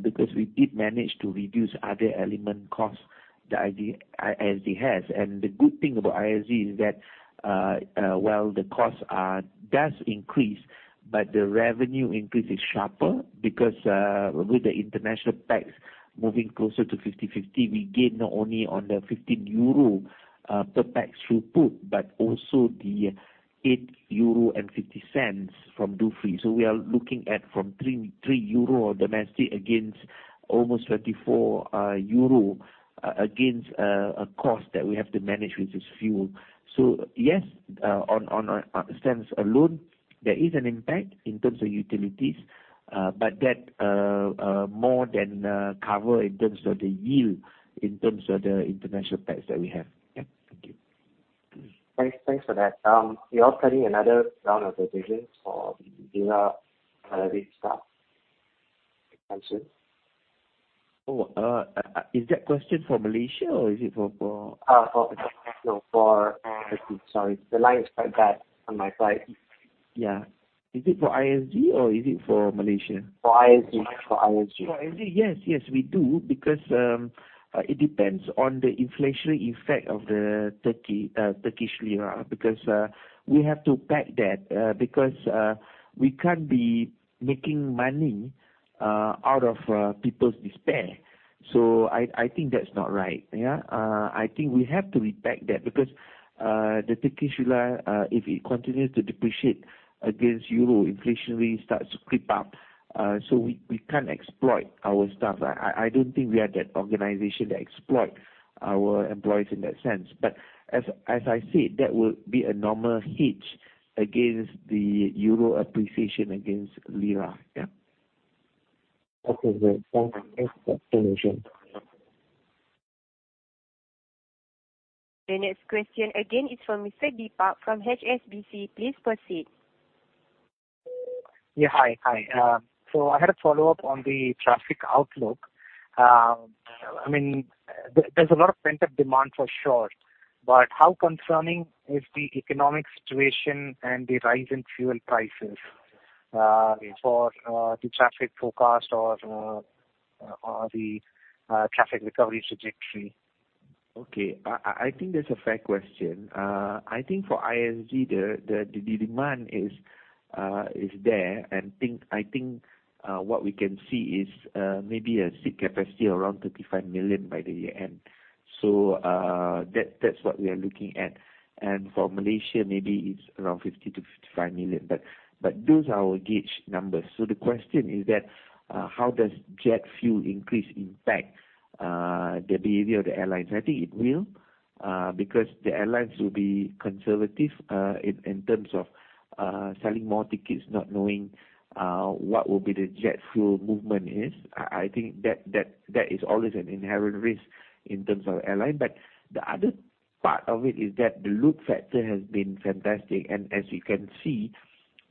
B: because we did manage to reduce other element costs that ISG has. The good thing about ISG is that, while the costs do increase, the revenue increase is sharper because, with the international pax moving closer to 50/50, we gain not only on the 15 euro per pax throughput, but also the 8.50 euro from duty free. We are looking at from 3 euro for domestic against almost 34 euro against a cost that we have to manage with this fuel. Yes, on expense alone, there is an impact in terms of utilities. That more than covers in terms of the yield, in terms of the international tax that we have. Thank you.
F: Thanks for that. You are planning another round of revision for
B: Is that question for Malaysia or is it for?
F: Sorry, the line is quite bad on my side.
B: Is it for ISG or is it for Malaysia?
F: For ISG.
B: For ISG, yes, we do. It depends on the inflationary effect of the Turkish lira, because we have to cap that, because we can't be making money out of people's despair. I think that's not right. Yeah. I think we have to recap that because the Turkish lira, if it continues to depreciate against euro, inflation really starts to creep up. We can't exploit our staff. I don't think we are that organization that exploits our employees in that sense. As I said, that will be a normal hedge against the euro appreciation against lira. Yeah.
F: Okay. Great. Thank you.
A: The next question again is from Mr. Deepak from HSBC. Please proceed.
C: I had a follow-up on the traffic outlook. I mean, there's a lot of pent-up demand for sure, but how concerning is the economic situation and the rise in fuel prices for the traffic forecast or the traffic recovery trajectory?
B: Okay. I think that's a fair question. I think for ISG the demand is there. I think what we can see is maybe a seat capacity around 35 million by year-end. That's what we are looking at. For Malaysia maybe it's around 50-55 million. Those are our gauge numbers. The question is that how does jet fuel increase impact the behavior of the airlines? I think it will because the airlines will be conservative in terms of selling more tickets, not knowing what will be the jet fuel movement is. I think that is always an inherent risk in terms of airline. The other part of it is that the load factor has been fantastic. As you can see,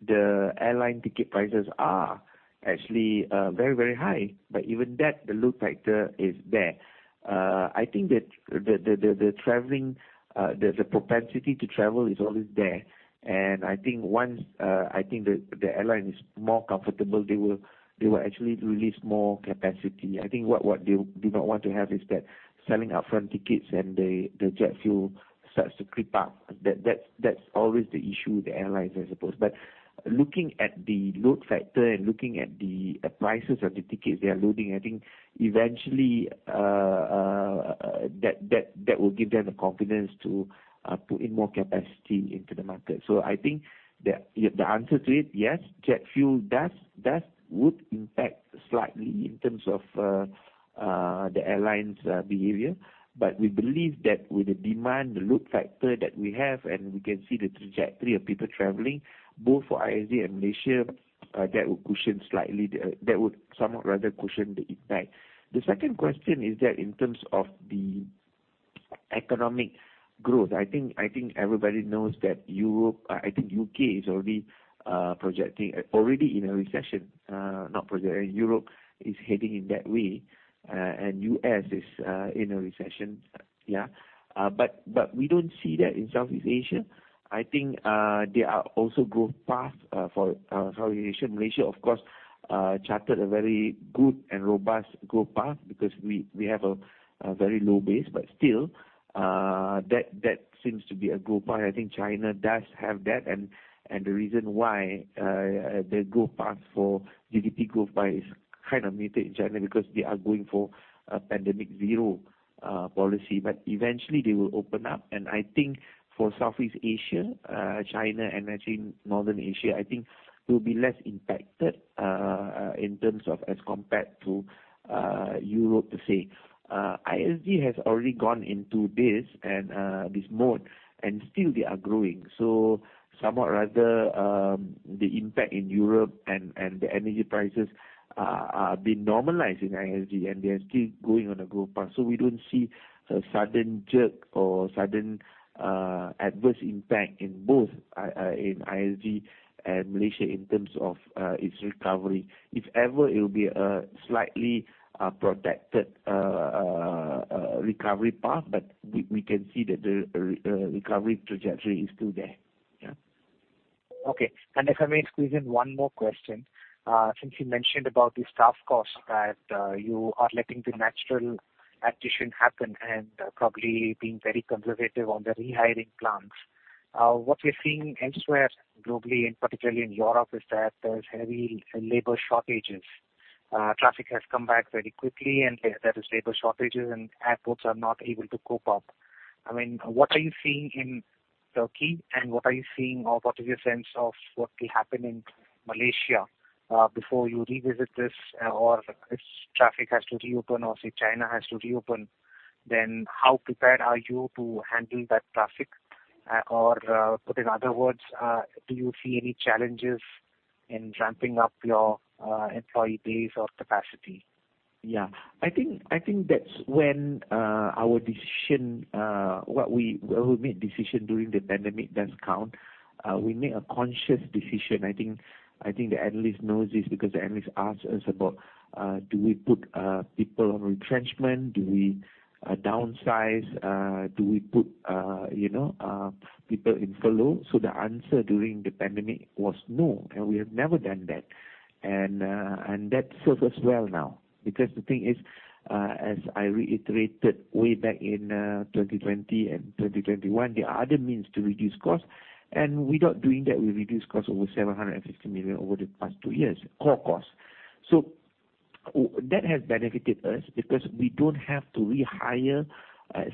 B: the airline ticket prices are actually very, very high. Even that, the load factor is there. I think that the traveling, the propensity to travel is always there. I think once, I think the airline is more comfortable, they will actually release more capacity. I think what they do not want to have is selling upfront tickets and the jet fuel starts to creep up. That's always the issue with the airlines, I suppose. Looking at the load factor and looking at the prices of the tickets they are loading, I think eventually, that will give them the confidence to put in more capacity into the market. I think the answer to it, yes, jet fuel does would impact slightly in terms of the airline's behavior. We believe that with the demand, the load factor that we have and we can see the trajectory of people traveling both for ISG and Malaysia, that would somewhat rather cushion the impact. The second question is that in terms of the economic growth, I think everybody knows that Europe, I think UK is already in a recession, not projecting. Europe is heading in that way, and US is in a recession. We don't see that in Southeast Asia. I think there are also growth paths for Southeast Asia. Malaysia of course charted a very good and robust growth path because we have a very low base. Still that seems to be a growth path. I think China does have that. The reason why the growth path for GDP is kind of muted in China because they are going for a pandemic zero policy. Eventually they will open up. I think for Southeast Asia, China, and Northern Asia will be less impacted in terms of as compared to Europe per se. ISG has already gone into this and this mode, and still they are growing. Somewhat rather the impact in Europe and the energy prices are being normalized in ISG and they are still going on a growth path. We don't see a sudden jerk or sudden adverse impact in both in ISG and Malaysia in terms of its recovery. If ever it will be slightly protected recovery path. We can see that the recovery trajectory is still there.
C: Okay. If I may squeeze in one more question. Since you mentioned about the staff costs that you are letting the natural attrition happen and probably being very conservative on the rehiring plans, what we're seeing elsewhere globally, and particularly in Europe, is that there's heavy labor shortages. Traffic has come back very quickly, and there is labor shortages and airports are not able to cope up. I mean, what are you seeing in Turkey, and what are you seeing or what is your sense of what will happen in Malaysia, before you revisit this or if traffic has to reopen or, say, China has to reopen, then how prepared are you to handle that traffic? Or, put in other words, do you see any challenges in ramping up your employee base or capacity?
B: I think that's when our decision what we made during the pandemic does count. We made a conscious decision. I think the analyst knows this because the analyst asked us about do we put people on retrenchment? Do we downsize? Do we put you know people in furlough? The answer during the pandemic was no, and we have never done that. That serves us well now because the thing is, as I reiterated way back in 2020 and 2021, there are other means to reduce costs. Without doing that, we reduced costs over 750 million over the past two years, core costs. That has benefited us because we don't have to rehire,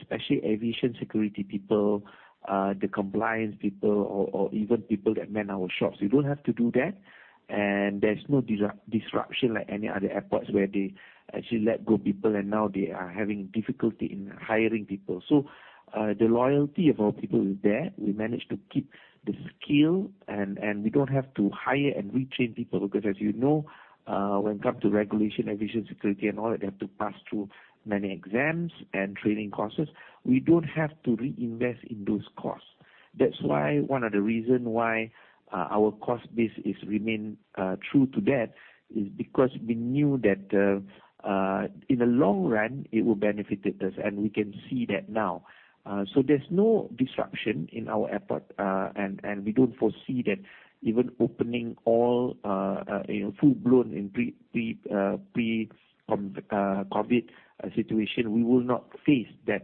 B: especially aviation security people, the compliance people or even people that man our shops. We don't have to do that, and there's no disruption like any other airports where they actually let go of people and now they are having difficulty in hiring people. The loyalty of our people is there. We managed to keep the skill, and we don't have to hire and retrain people because as you know, when it comes to regulation, aviation security, and all that, they have to pass through many exams and training courses. We don't have to reinvest in those costs. That's why one of the reason why our cost base is remain true to that is because we knew that in the long run it will benefited us, and we can see that now. There's no disruption in our airport. We don't foresee that even opening all you know full-blown in pre-COVID situation, we will not face that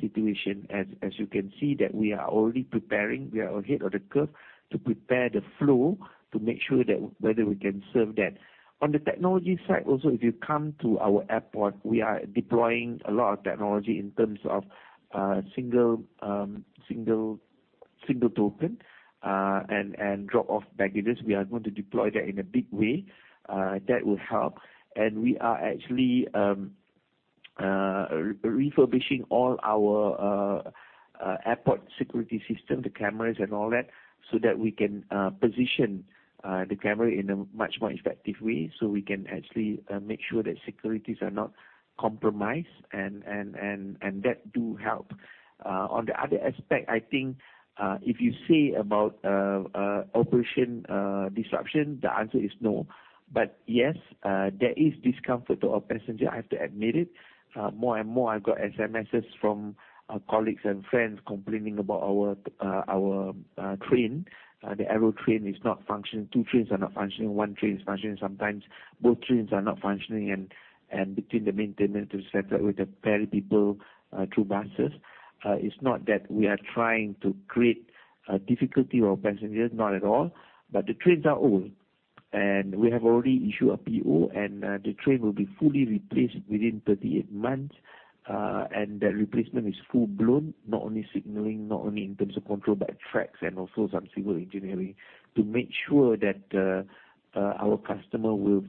B: situation. As you can see that we are already preparing. We are ahead of the curve to prepare the flow to make sure that whether we can serve that. On the technology side also, if you come to our airport, we are deploying a lot of technology in terms of single token and drop off baggages. We are going to deploy that in a big way. That will help. We are actually refurbishing all our airport security system, the cameras and all that, so that we can position the camera in a much more effective way, so we can actually make sure that security is not compromised and that do help. On the other aspect, I think, if you say about operational disruption, the answer is no. Yes, there is discomfort to our passengers, I have to admit it. More and more, I've got SMSs from colleagues and friends complaining about our train. The Aerotrain is not functioning. Two trains are not functioning. One train is functioning. Sometimes both trains are not functioning and between the maintenance et cetera, we have to ferry people through buses. It's not that we are trying to create difficulty for passengers, not at all. The trains are old. We have already issued a PO and the train will be fully replaced within 38 months. The replacement is full-blown, not only signaling, not only in terms of control, but tracks and also some civil engineering to make sure that our customer will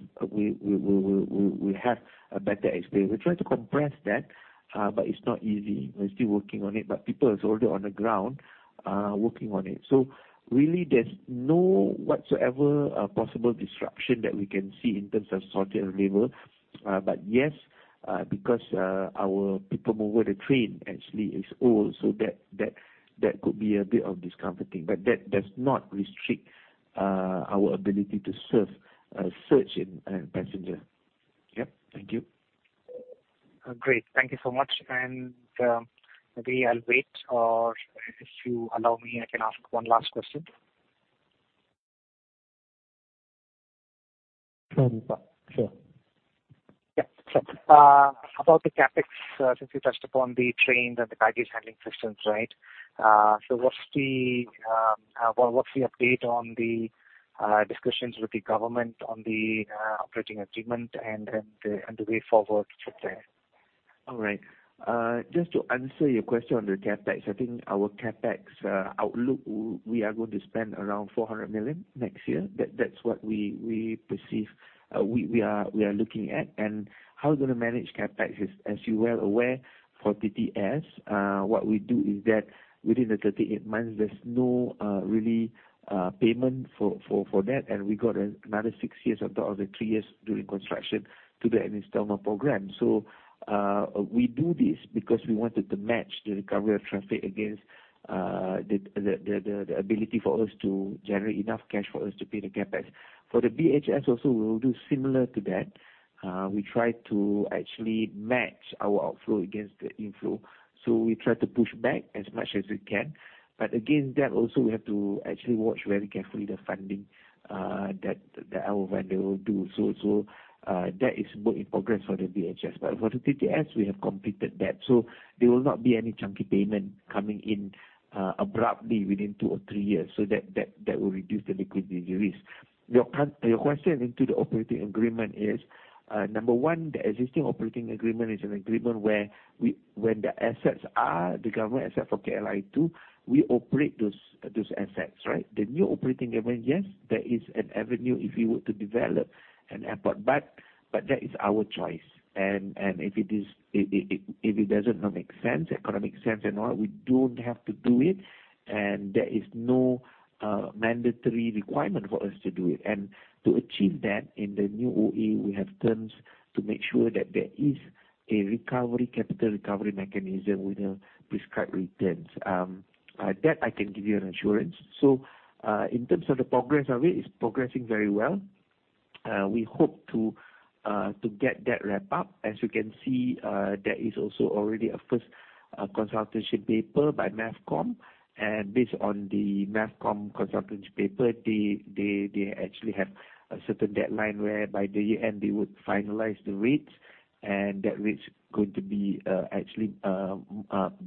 B: have a better experience. We're trying to compress that, but it's not easy. We're still working on it. People is already on the ground, working on it. Really there's no whatsoever possible disruption that we can see in terms of sorting labor. Yes, because our people mover, the train actually is old, so that could be a bit of discomforting. that does not restrict our ability to serve a surge in passenger. Yep. Thank you.
C: Great. Thank you so much. Maybe I'll wait or if you allow me, I can ask one last question.
B: Sure.
C: About the CapEx, since you touched upon the trains and the baggage handling systems, right? What's the update on the discussions with the government on the Operating Agreement and the way forward from there?
B: Just to answer your question on the CapEx, I think our CapEx outlook, we are going to spend around 400 million next year. That's what we perceive, we are looking at. How we're gonna manage CapEx is, as you're well aware, for TTS, what we do is that within the 38 months, there's no real payment for that, and we got another 6 years on top of the 3 years during construction to the installment program. We do this because we wanted to match the recovery of traffic against the ability for us to generate enough cash for us to pay the CapEx. For the BHS also, we'll do similar to that. We try to actually match our outflow against the inflow. We try to push back as much as we can. Again, that also we have to actually watch very carefully the funding, that our vendor will do. That is work in progress for the BHS. For the TTS, we have completed that. There will not be any chunky payment coming in, abruptly within two or three years. That will reduce the liquidity risk. Your question into the operating agreement is, number one, the existing operating agreement is an agreement where the assets are the government, except for KLIA 2, we operate those assets, right? The new operating agreement, yes, there is an avenue if you were to develop an airport, but that is our choice. If it does not make sense, economic sense at all, we don't have to do it, and there is no mandatory requirement for us to do it. To achieve that in the new OA, we have terms to make sure that there is a recovery, capital recovery mechanism with the prescribed returns. That I can give you an assurance. In terms of the progress of it's progressing very well. We hope to get that wrapped up. As you can see, there is also already a first consultation paper by MAVCOM. Based on the MAVCOM consultation paper, they actually have a certain deadline whereby the year-end, they would finalize the rates, and that rate's going to be actually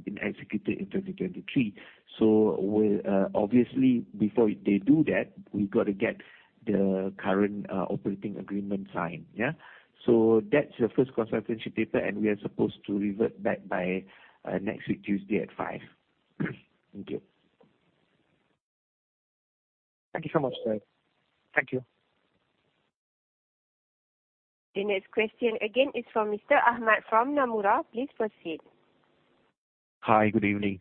B: being executed in 2023. We'll obviously before they do that, we've got to get the current operating agreement signed, yeah? That's the first consultation paper, and we are supposed to revert back by next week Tuesday at five. Thank you.
C: Thank you so much, sir. Thank you.
A: The next question again is from Mr. Ahmad from Nomura. Please proceed.
E: Hi, good evening.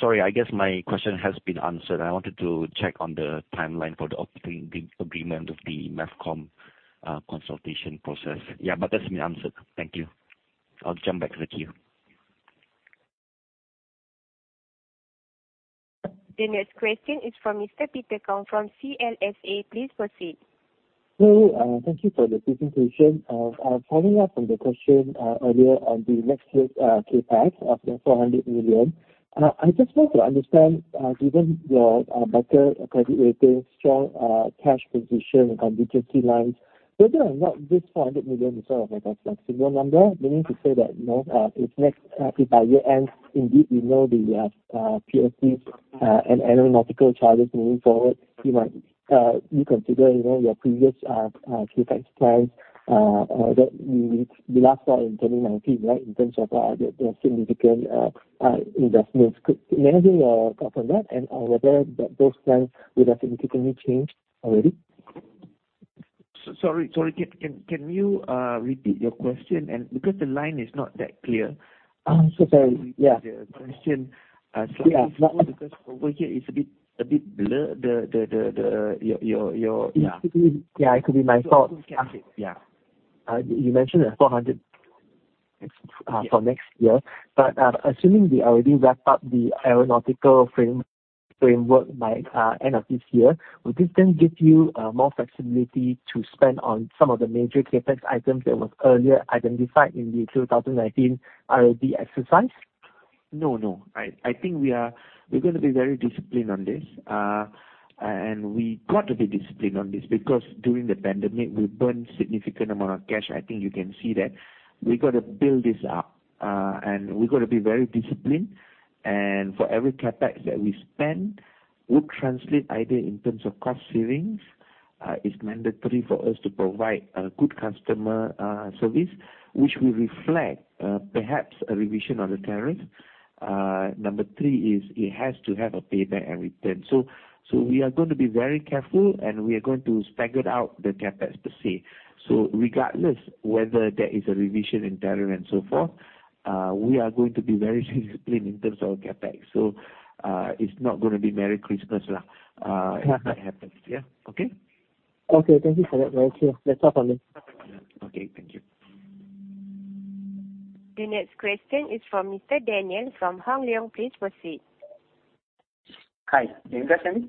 E: Sorry, I guess my question has been answered. I wanted to check on the timeline for the operating agreement of the MAVCOM consultation process. but that's been answered. Thank you. I'll jump back to the queue.
A: The next question is from Mr. Peter Kong from CLSA. Please proceed.
G: Thank you for the presentation. Following up on the question earlier on the next phase CapEx of 400 million. I just want to understand, given your better credit rating, strong cash position on the balance sheet, whether or not this 400 million is sort of like a flexible number, meaning to say that, you know, if by year-end, indeed, we know the PSC and aeronautical charges moving forward, you might reconsider, you know, your previous CapEx plans or that you last saw in 2019, right, in terms of the significant investments. Could you maybe comment on that and whether those plans would have significantly changed already?
B: Sorry. Can you repeat your question? Because the line is not that clear.
G: Sorry.
B: The question.
G: Yes.
B: Because over here it's a bit blurred.
G: It could be my fault.
B: Okay.
G: You mentioned the 400 for next year. Assuming we already wrapped up the aeronautical framework by end of this year, would this then give you more flexibility to spend on some of the major CapEx items that was earlier identified in the 2019 RAB exercise?
B: No. I think we are going to be very disciplined on this. We got to be disciplined on this because during the pandemic, we burned significant amount of cash. I think you can see that. We gotta build this up. We gotta be very disciplined. For every CapEx that we spend would translate either in terms of cost savings, it's mandatory for us to provide a good customer service, which will reflect perhaps a revision on the tariff. Number three is it has to have a payback and return. We are going to be very careful, and we are going to stagger out the CapEx per se. Regardless whether there is a revision in tariff and so forth, we are going to be very disciplined in terms of CapEx. It's not gonna be Merry Christmas.
G: Yes.
B: If that happens. okay?
G: Okay. Thank you for that. Right. Sure. Let's talk on that.
B: Okay. Thank you.
A: The next question is from Mr. Daniel from Hong Leong. Please proceed.
H: Hi. Can you guys hear me?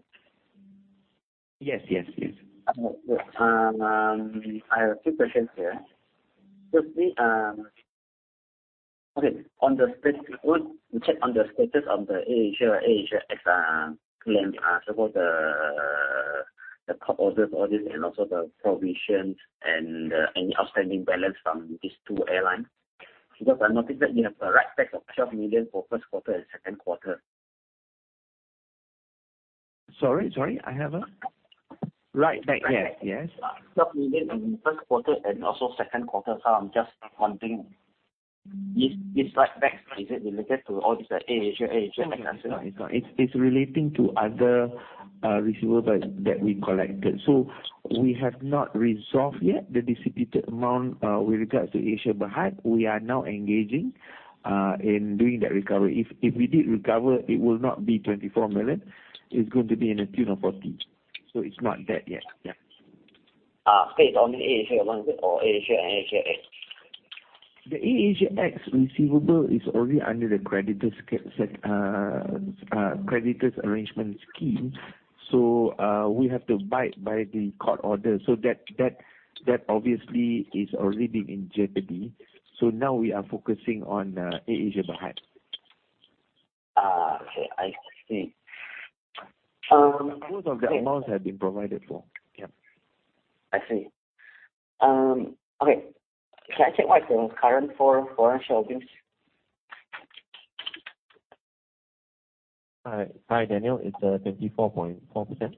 B: Yes.
H: I have two questions here. Firstly, okay, on the status quo, to check on the status of the AirAsia X claims. What the court orders on this and also the provisions and any outstanding balance from these two airlines. Because I noticed that you have a write-back of 12 million for first quarter and second quarter.
B: Sorry. I have a write-back.
H: Write-back.
B: Yes.
H: MYR 12 million in first quarter and second quarter. I'm just wondering, this write-back, is it related to all this, AirAsia X?
B: No, it's not. It's relating to other receivables that we collected. We have not resolved yet the disputed amount with regards to AirAsia Berhad. We are now engaging in doing that recovery. If we did recover, it will not be 24 million. It's going to be in the tune of 40 million. It's not that yet.
H: Based on the AirAsia Group or AirAsia and AirAsia X.
B: The AirAsia X receivable is already under the creditors arrangement scheme. We have to abide by the court order. That obviously is already been in jeopardy. Now we are focusing on AirAsia Berhad.
H: Okay. I see. Okay.
B: Most of the amounts have been provided for.
H: I see. Okay. Can I check what's the current FY financial views?
B: Hi. Daniel. It's 34.4%.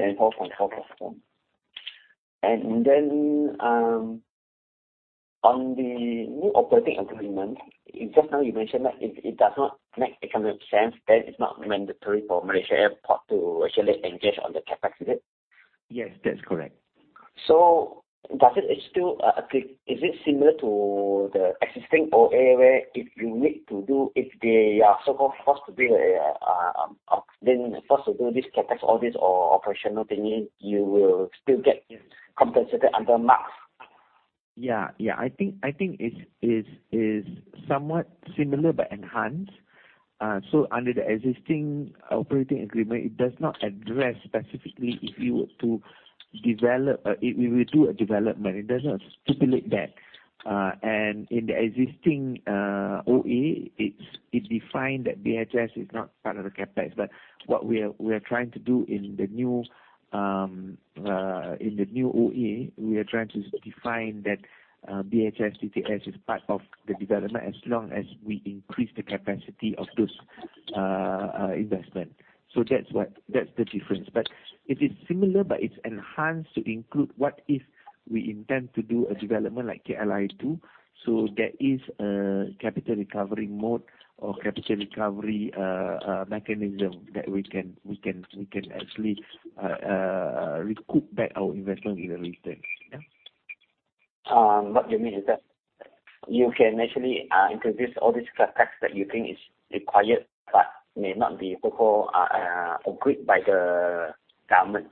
H: 10.4%. On the new operating agreement, just now you mentioned that it does not make economic sense, then it's not mandatory for Malaysia Airports to actually engage on the CapEx, is it?
B: Yes, that's correct.
H: Does it still click? Is it similar to the existing OA where if they are forced to do this CapEx or operational thingy, you will still get compensated under MAVCOM?
B: I think it's somewhat similar but enhanced. Under the existing Operating Agreement, it does not address specifically if we were to do a development. It does not stipulate that. In the existing OA, it defined that BHS is not part of the CapEx. What we are trying to do in the new OA, we are trying to define that BHS, DTS is part of the development as long as we increase the capacity of those investment. That's what. That's the difference. It is similar, but it's enhanced to include what if we intend to do a development like klia2, so there is a capital recovery mode or capital recovery mechanism that we can actually recoup back our investment in the retail. Yeah.
H: What you mean is that you can actually introduce all these CapEx that you think is required but may not be so-called approved by the government.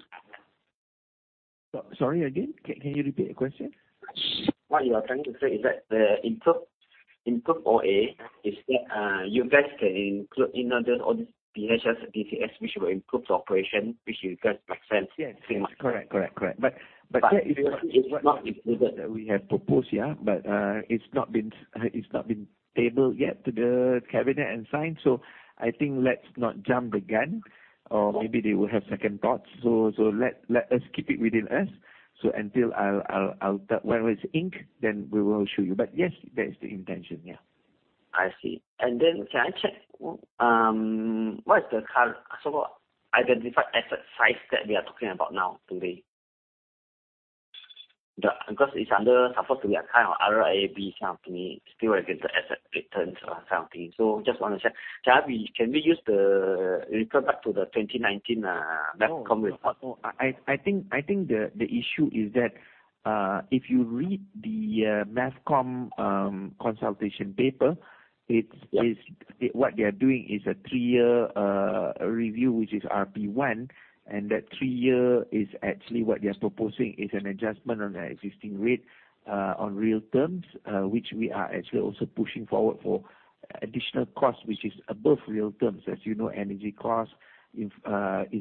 B: Sorry, again? Can you repeat the question?
H: What you are trying to say is that the improved OA is that you guys can include, you know, just all this BHS, DTS which will improve the operation, which you guys make sense.
B: Yes. Correct. That is not included. We have proposed, yeah. It's not been tabled yet to the cabinet and signed. I think let's not jump the gun or maybe they will have second thoughts. Let us keep it within us. Until I'll tell when it's inked, then we will show you. Yes, that is the intention.
H: I see. Can I check what is the current identified asset size that we are talking about now today? Because it's supposed to be a kind of RAB kind of thingy, still regular asset returns or something. Just wanna check. Can we refer back to the 2019 MAVCOM report?
B: No. I think the issue is that if you read the MAVCOM consultation paper, it's-
H: Yes.
B: What they are doing is a three-year review, which is RP1, and that three-year is actually what they're proposing is an adjustment on the existing rate, on real terms, which we are actually also pushing forward for additional cost, which is above real terms. As you know, energy cost is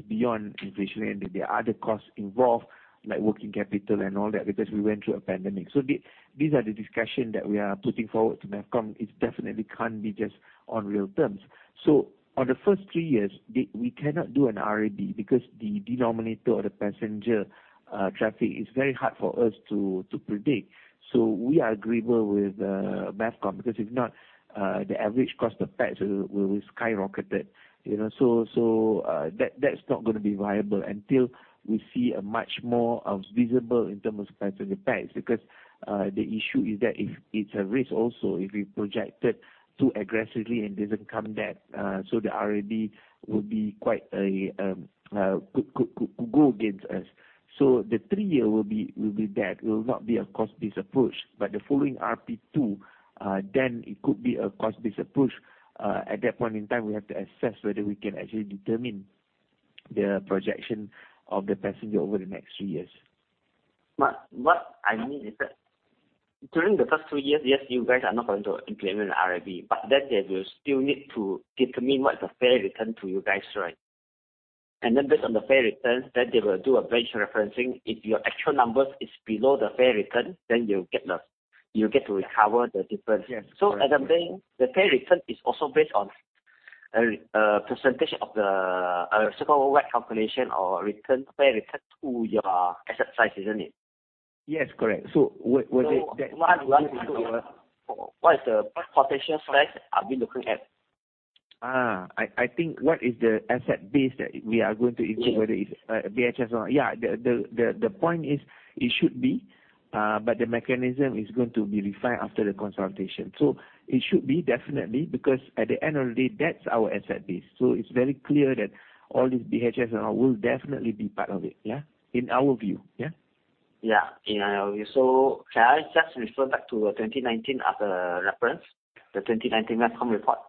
B: beyond inflation and there are other costs involved, like working capital and all that, because we went through a pandemic. These are the discussions that we are putting forward to MAVCOM. It definitely can't be just on real terms. On the first three years, we cannot do an RAB because the denominator or the passenger traffic is very hard for us to predict. We are agreeable with MAVCOM because if not, the average cost of PAX will skyrocket. You know, that's not gonna be viable until we see much more visibility in terms of passenger pax because the issue is that if there's a risk also if we projected too aggressively and it doesn't come back, so the RAB will quite go against us. The three-year will be that. It will not be a cost-based approach, but the following RP2 then it could be a cost-based approach. At that point in time, we have to assess whether we can actually determine the projection of the passenger over the next three years.
H: What I mean is that during the first three years, yes, you guys are not going to implement RAB, but then they will still need to determine what's the fair return to you guys, right? Based on the fair return, then they will do a benchmarking. If your actual numbers is below the fair return, then you'll get to recover the difference.
B: Yes. Correct.
H: What I'm saying, the fair return is also based on a percentage of the so-called WACC calculation or return, fair return to your asset size, isn't it?
B: Yes, correct. With the
H: What I want to know, what is the potential size are we looking at?
B: I think what is the asset base that we are going to include?
H: Yes.
B: The point is it should be, but the mechanism is going to be refined after the consultation. It should be definitely, because at the end of the day that's our asset base. It's very clear that all these BHS and all will definitely be part of it, In our view.
H: In our view. Can I just refer back to the 2019 as a reference? The 2019 MAVCOM report.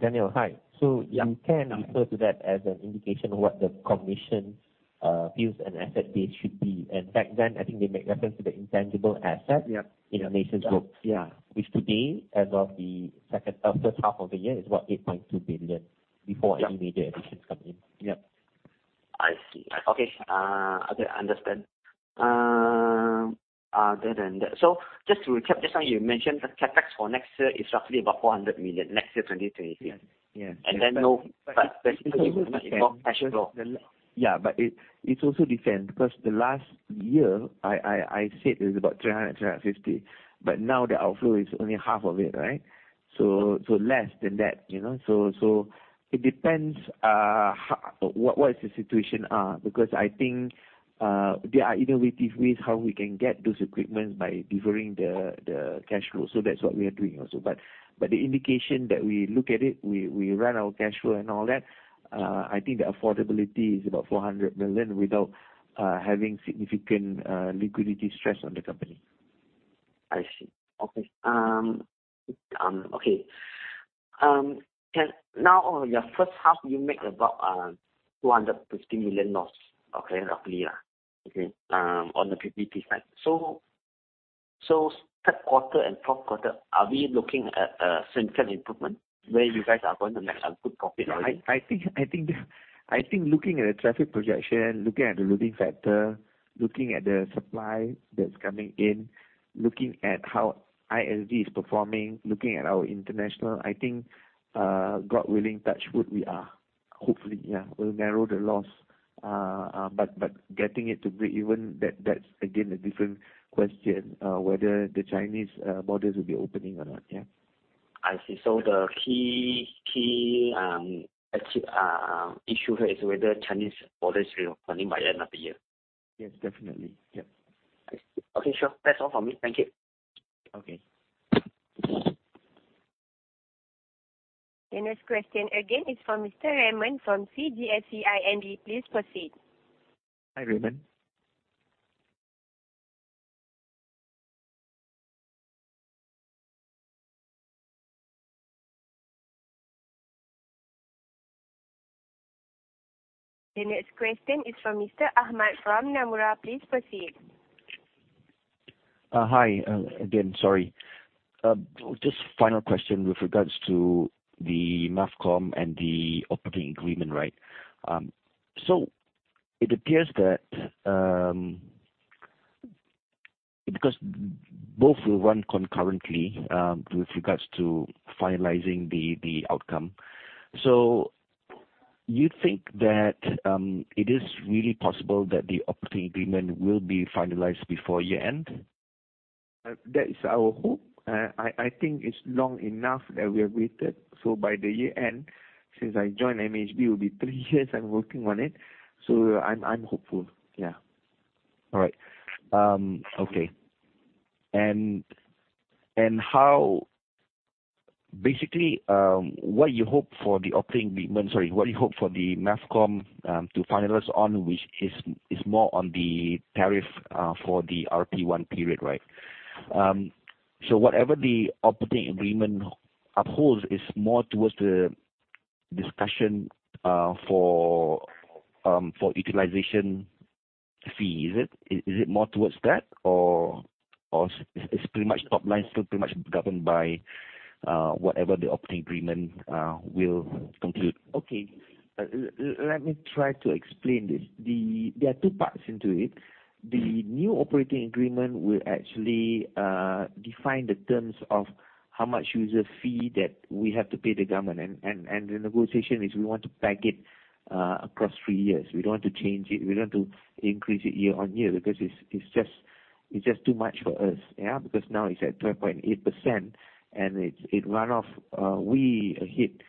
B: Daniel, hi.
H: Yes.
B: You can refer to that as an indication of what the commission views an asset base should be. In fact, I think they make reference to the intangible asset.
H: Yes.
B: in a nation's books.
H: Yes.
B: Which today, as of the second or first half of the year, is what? 8.2 billion.
H: Yes.
B: Before any major additions come in.
H: Yep. I see. Okay. Understand. Other than that. Just to recap, just now you mentioned the CapEx for next year is roughly about 400 million, next year, 2023.
B: Yes.
H: No cash flow.
B: It also depends, 'cause last year I said it was about 350, but now the outflow is only half of it, right? Less than that, you know. It depends, what the situation are, because I think there are innovative ways how we can get those equipment by delivering the cash flow. That's what we are doing also. The indication that we look at it, we run our cash flow and all that, I think the affordability is about 400 million without having significant liquidity stress on the company.
H: I see. Okay. Now on your first half, you make about 250 million loss. Okay. Roughly, yeah. Okay. On the PBT side. Third quarter and fourth quarter, are we looking at significant improvement where you guys are going to make a good profit already?
B: I think looking at the traffic projection, looking at the loading factor, looking at the supply that's coming in, looking at how ISG is performing, looking at our international, I think, God willing, touch wood, we are. Hopefully, we'll narrow the loss. But getting it to breakeven, that's again a different question, whether the Chinese borders will be opening or not, yeah.
H: I see. The key existential issue here is whether Chinese borders will be opening by end of the year.
B: Yes, definitely.
H: Okay, sure. That's all from me. Thank you.
B: Okay.
A: The next question again is from Mr. Raymond from CGS-CIMB. Please proceed.
B: Hi, Raymond.
A: The next question is from Mr. Ahmad from Nomura. Please proceed.
E: Hi again, sorry. Just final question with regards to the MAVCOM and the Operating Agreement, right? It appears that, because both will run concurrently, with regards to finalizing the outcome. You think that it is really possible that the Operating Agreement will be finalized before year-end?
B: That is our hope. I think it's long enough that we have waited. By the year-end, since I joined MAHB, it will be three years I'm working on it, so I'm hopeful.
E: All right. Okay. Basically, sorry, what you hope for the MAVCOM to finalize on, which is more on the tariff for the RP One period, right? Whatever the operating agreement upholds is more towards the discussion for utilization fee, is it? Is it more towards that, or it's pretty much top-line, still pretty much governed by whatever the operating agreement will conclude?
B: Okay. Let me try to explain this. There are two parts to it. The new operating agreement will actually define the terms of how much user fee that we have to pay the government. The negotiation is we want to cap it across three years. We don't want to change it. We don't want to increase it year on year because it's just too much for us. Yeah. Because now it's at 12.8% and it runs off, we have hit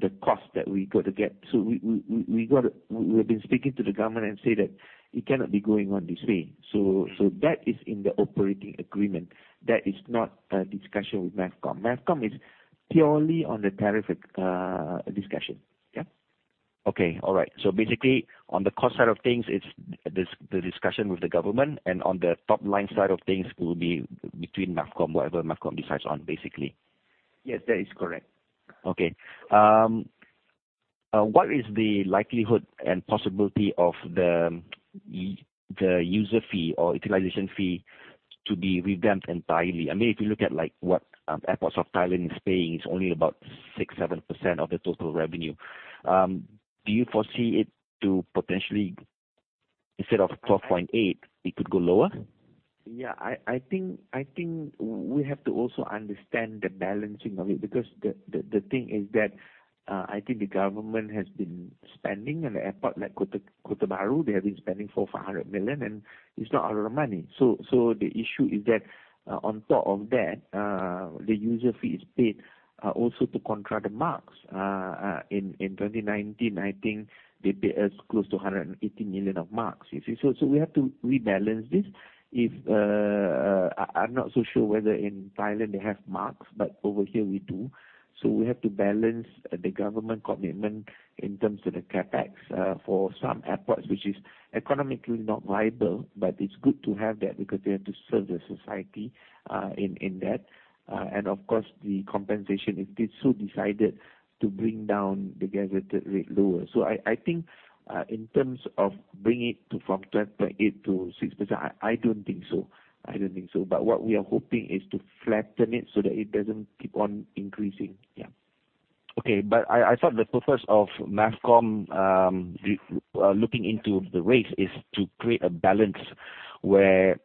B: the cost that we got to get. We've been speaking to the government and say that it cannot be going on this way. That is in the operating agreement. That is not a discussion with MAVCOM. MAVCOM is purely on the tariff discussion.
E: Okay. All right. Basically on the cost side of things, it's the discussion with the government and on the top-line side of things will be between MAVCOM, whatever MAVCOM decides on, basically.
B: Yes, that is correct.
E: Okay. What is the likelihood and possibility of the user fee or utilization fee to be revamped entirely? I mean, if you look at like what, Airports of Thailand is paying, it's only about 6-7% of the total revenue. Do you foresee it to potentially, instead of 12.8%, it could go lower?
B: I think we have to also understand the balancing of it because the thing is that, I think the government has been spending on the airport like Kota Bharu. They have been spending 400 million-500 million and it's not a lot of money. The issue is that, on top of that, the user fee is paid also to contra the MARCS. In 2019, I think they pay us close to 180 million of MARCS. You see? We have to rebalance this. I'm not so sure whether in Thailand they have MARCS, but over here we do. We have to balance the government commitment in terms of the CapEx for some airports which is economically not viable, but it's good to have that because we have to serve the society in that. Of course the compensation if it's so decided to bring down the gazetted rate lower. I think in terms of bringing it to from 12.8% to 6%, I don't think so. What we are hoping is to flatten it so that it doesn't keep on increasing.
E: Okay. I thought the purpose of MAVCOM, the looking into the rates is to create a balance where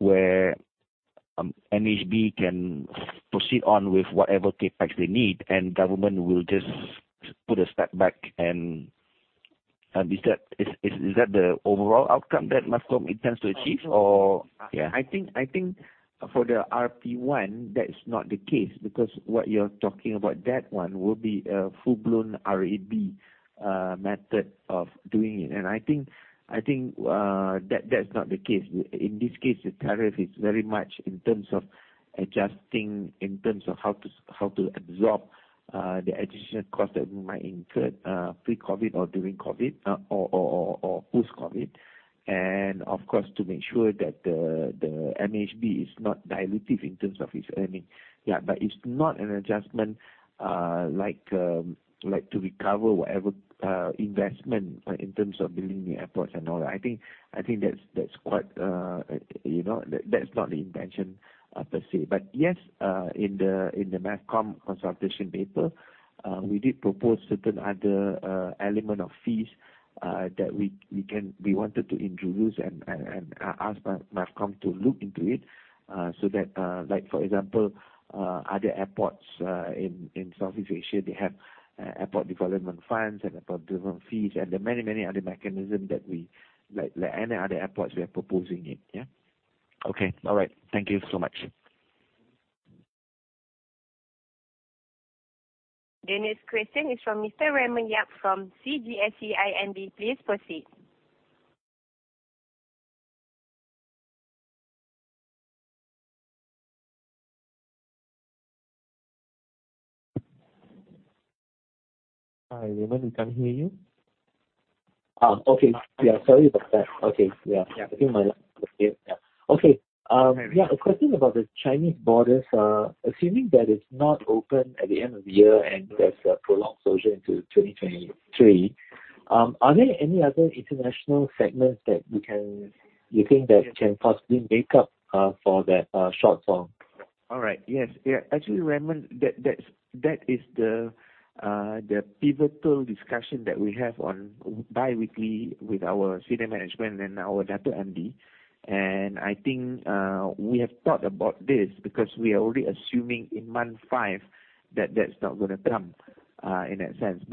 E: MAHB can proceed on with whatever CapEx they need and government will just put a step back and is that the overall outcome that MAVCOM intends to achieve or-
B: I think for the RP1, that's not the case because what you're talking about, that one will be a full-blown RAB method of doing it. I think that's not the case. In this case, the tariff is very much in terms of adjusting, in terms of how to absorb the additional cost that we might incur pre-COVID or during COVID or post-COVID. Of course, to make sure that the MAHB is not dilutive in terms of its earnings. Yeah, but it's not an adjustment like to recover whatever investment in terms of building the airports and all that. I think that's quite you know. That's not the intention per se. Yes, in the MAVCOM consultation paper, we did propose certain other element of fees that we wanted to introduce and ask MAVCOM to look into it, so that, like for example, other airports in Southeast Asia, they have airport development funds and airport development fees and there are many other mechanism that we like any other airports we are proposing it.
D: Okay. All right. Thank you so much.
A: The next question is from Mr. Raymond Yap from CGS-CIMB. Please proceed.
B: Hi, Raymond, we can't hear you.
D: Okay. Sorry about that. Okay.
B: Yes.
D: A Question about the Chinese borders. Assuming that it's not open at the end of the year and there's a prolonged closure into 2023, are there any other international segments that you think that can possibly make up for that shortfall?
B: All right. Yes. Actually, Raymond, that is the pivotal discussion that we have bi-weekly with our senior management and our dear MD. I think we have thought about this because we are already assuming in month five that that's not gonna come in that sense.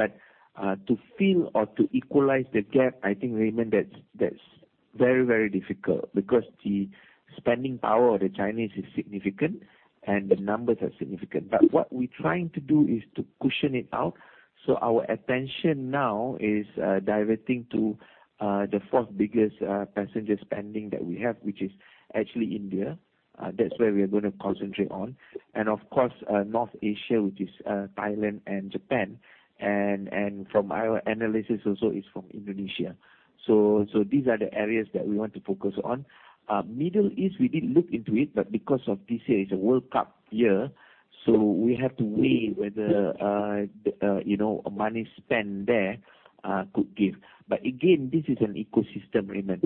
B: To fill or to equalize the gap, I think, Raymond, that's very difficult because the spending power of the Chinese is significant and the numbers are significant. What we're trying to do is to cushion it out. Our attention now is directing to the fourth biggest passenger spending that we have which is actually India. That's where we are gonna concentrate on. Of course, North Asia, which is Thailand and Japan. From our analysis also from Indonesia. These are the areas that we want to focus on. Middle East, we did look into it, but because this year is a World Cup year, so we have to weigh whether you know, money spent there could give. Again, this is an ecosystem, Raymond.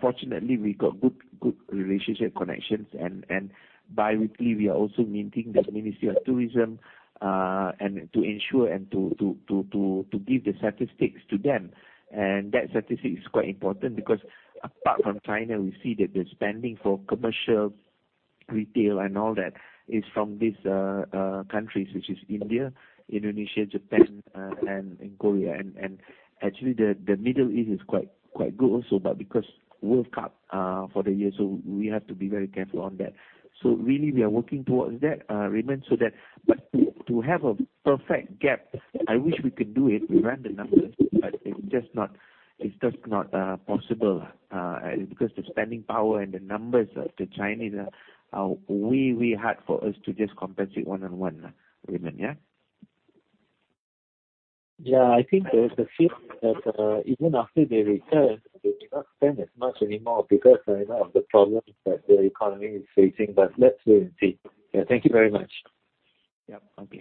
B: Fortunately we got good relationship connections and bi-weekly we are also meeting the Ministry of Tourism and to ensure and to give the statistics to them. That statistic is quite important because apart from China, we see that the spending for commercial, retail and all that is from these countries, which is India, Indonesia, Japan and Korea. Actually the Middle East is quite good also. Because World Cup for the year, we have to be very careful on that. Really we are working towards that, Raymond, so that. To have a perfect gap, I wish we could do it. We ran the numbers, but it's just not possible, because the spending power and the numbers of the Chinese are way higher for us to just compensate one-on-one, Raymond.
D: I think there is a fear that, even after they return, they may not spend as much anymore because, you know, of the problems that their economy is facing. Let's wait and see. Yeah. Thank you very much.
B: Okay.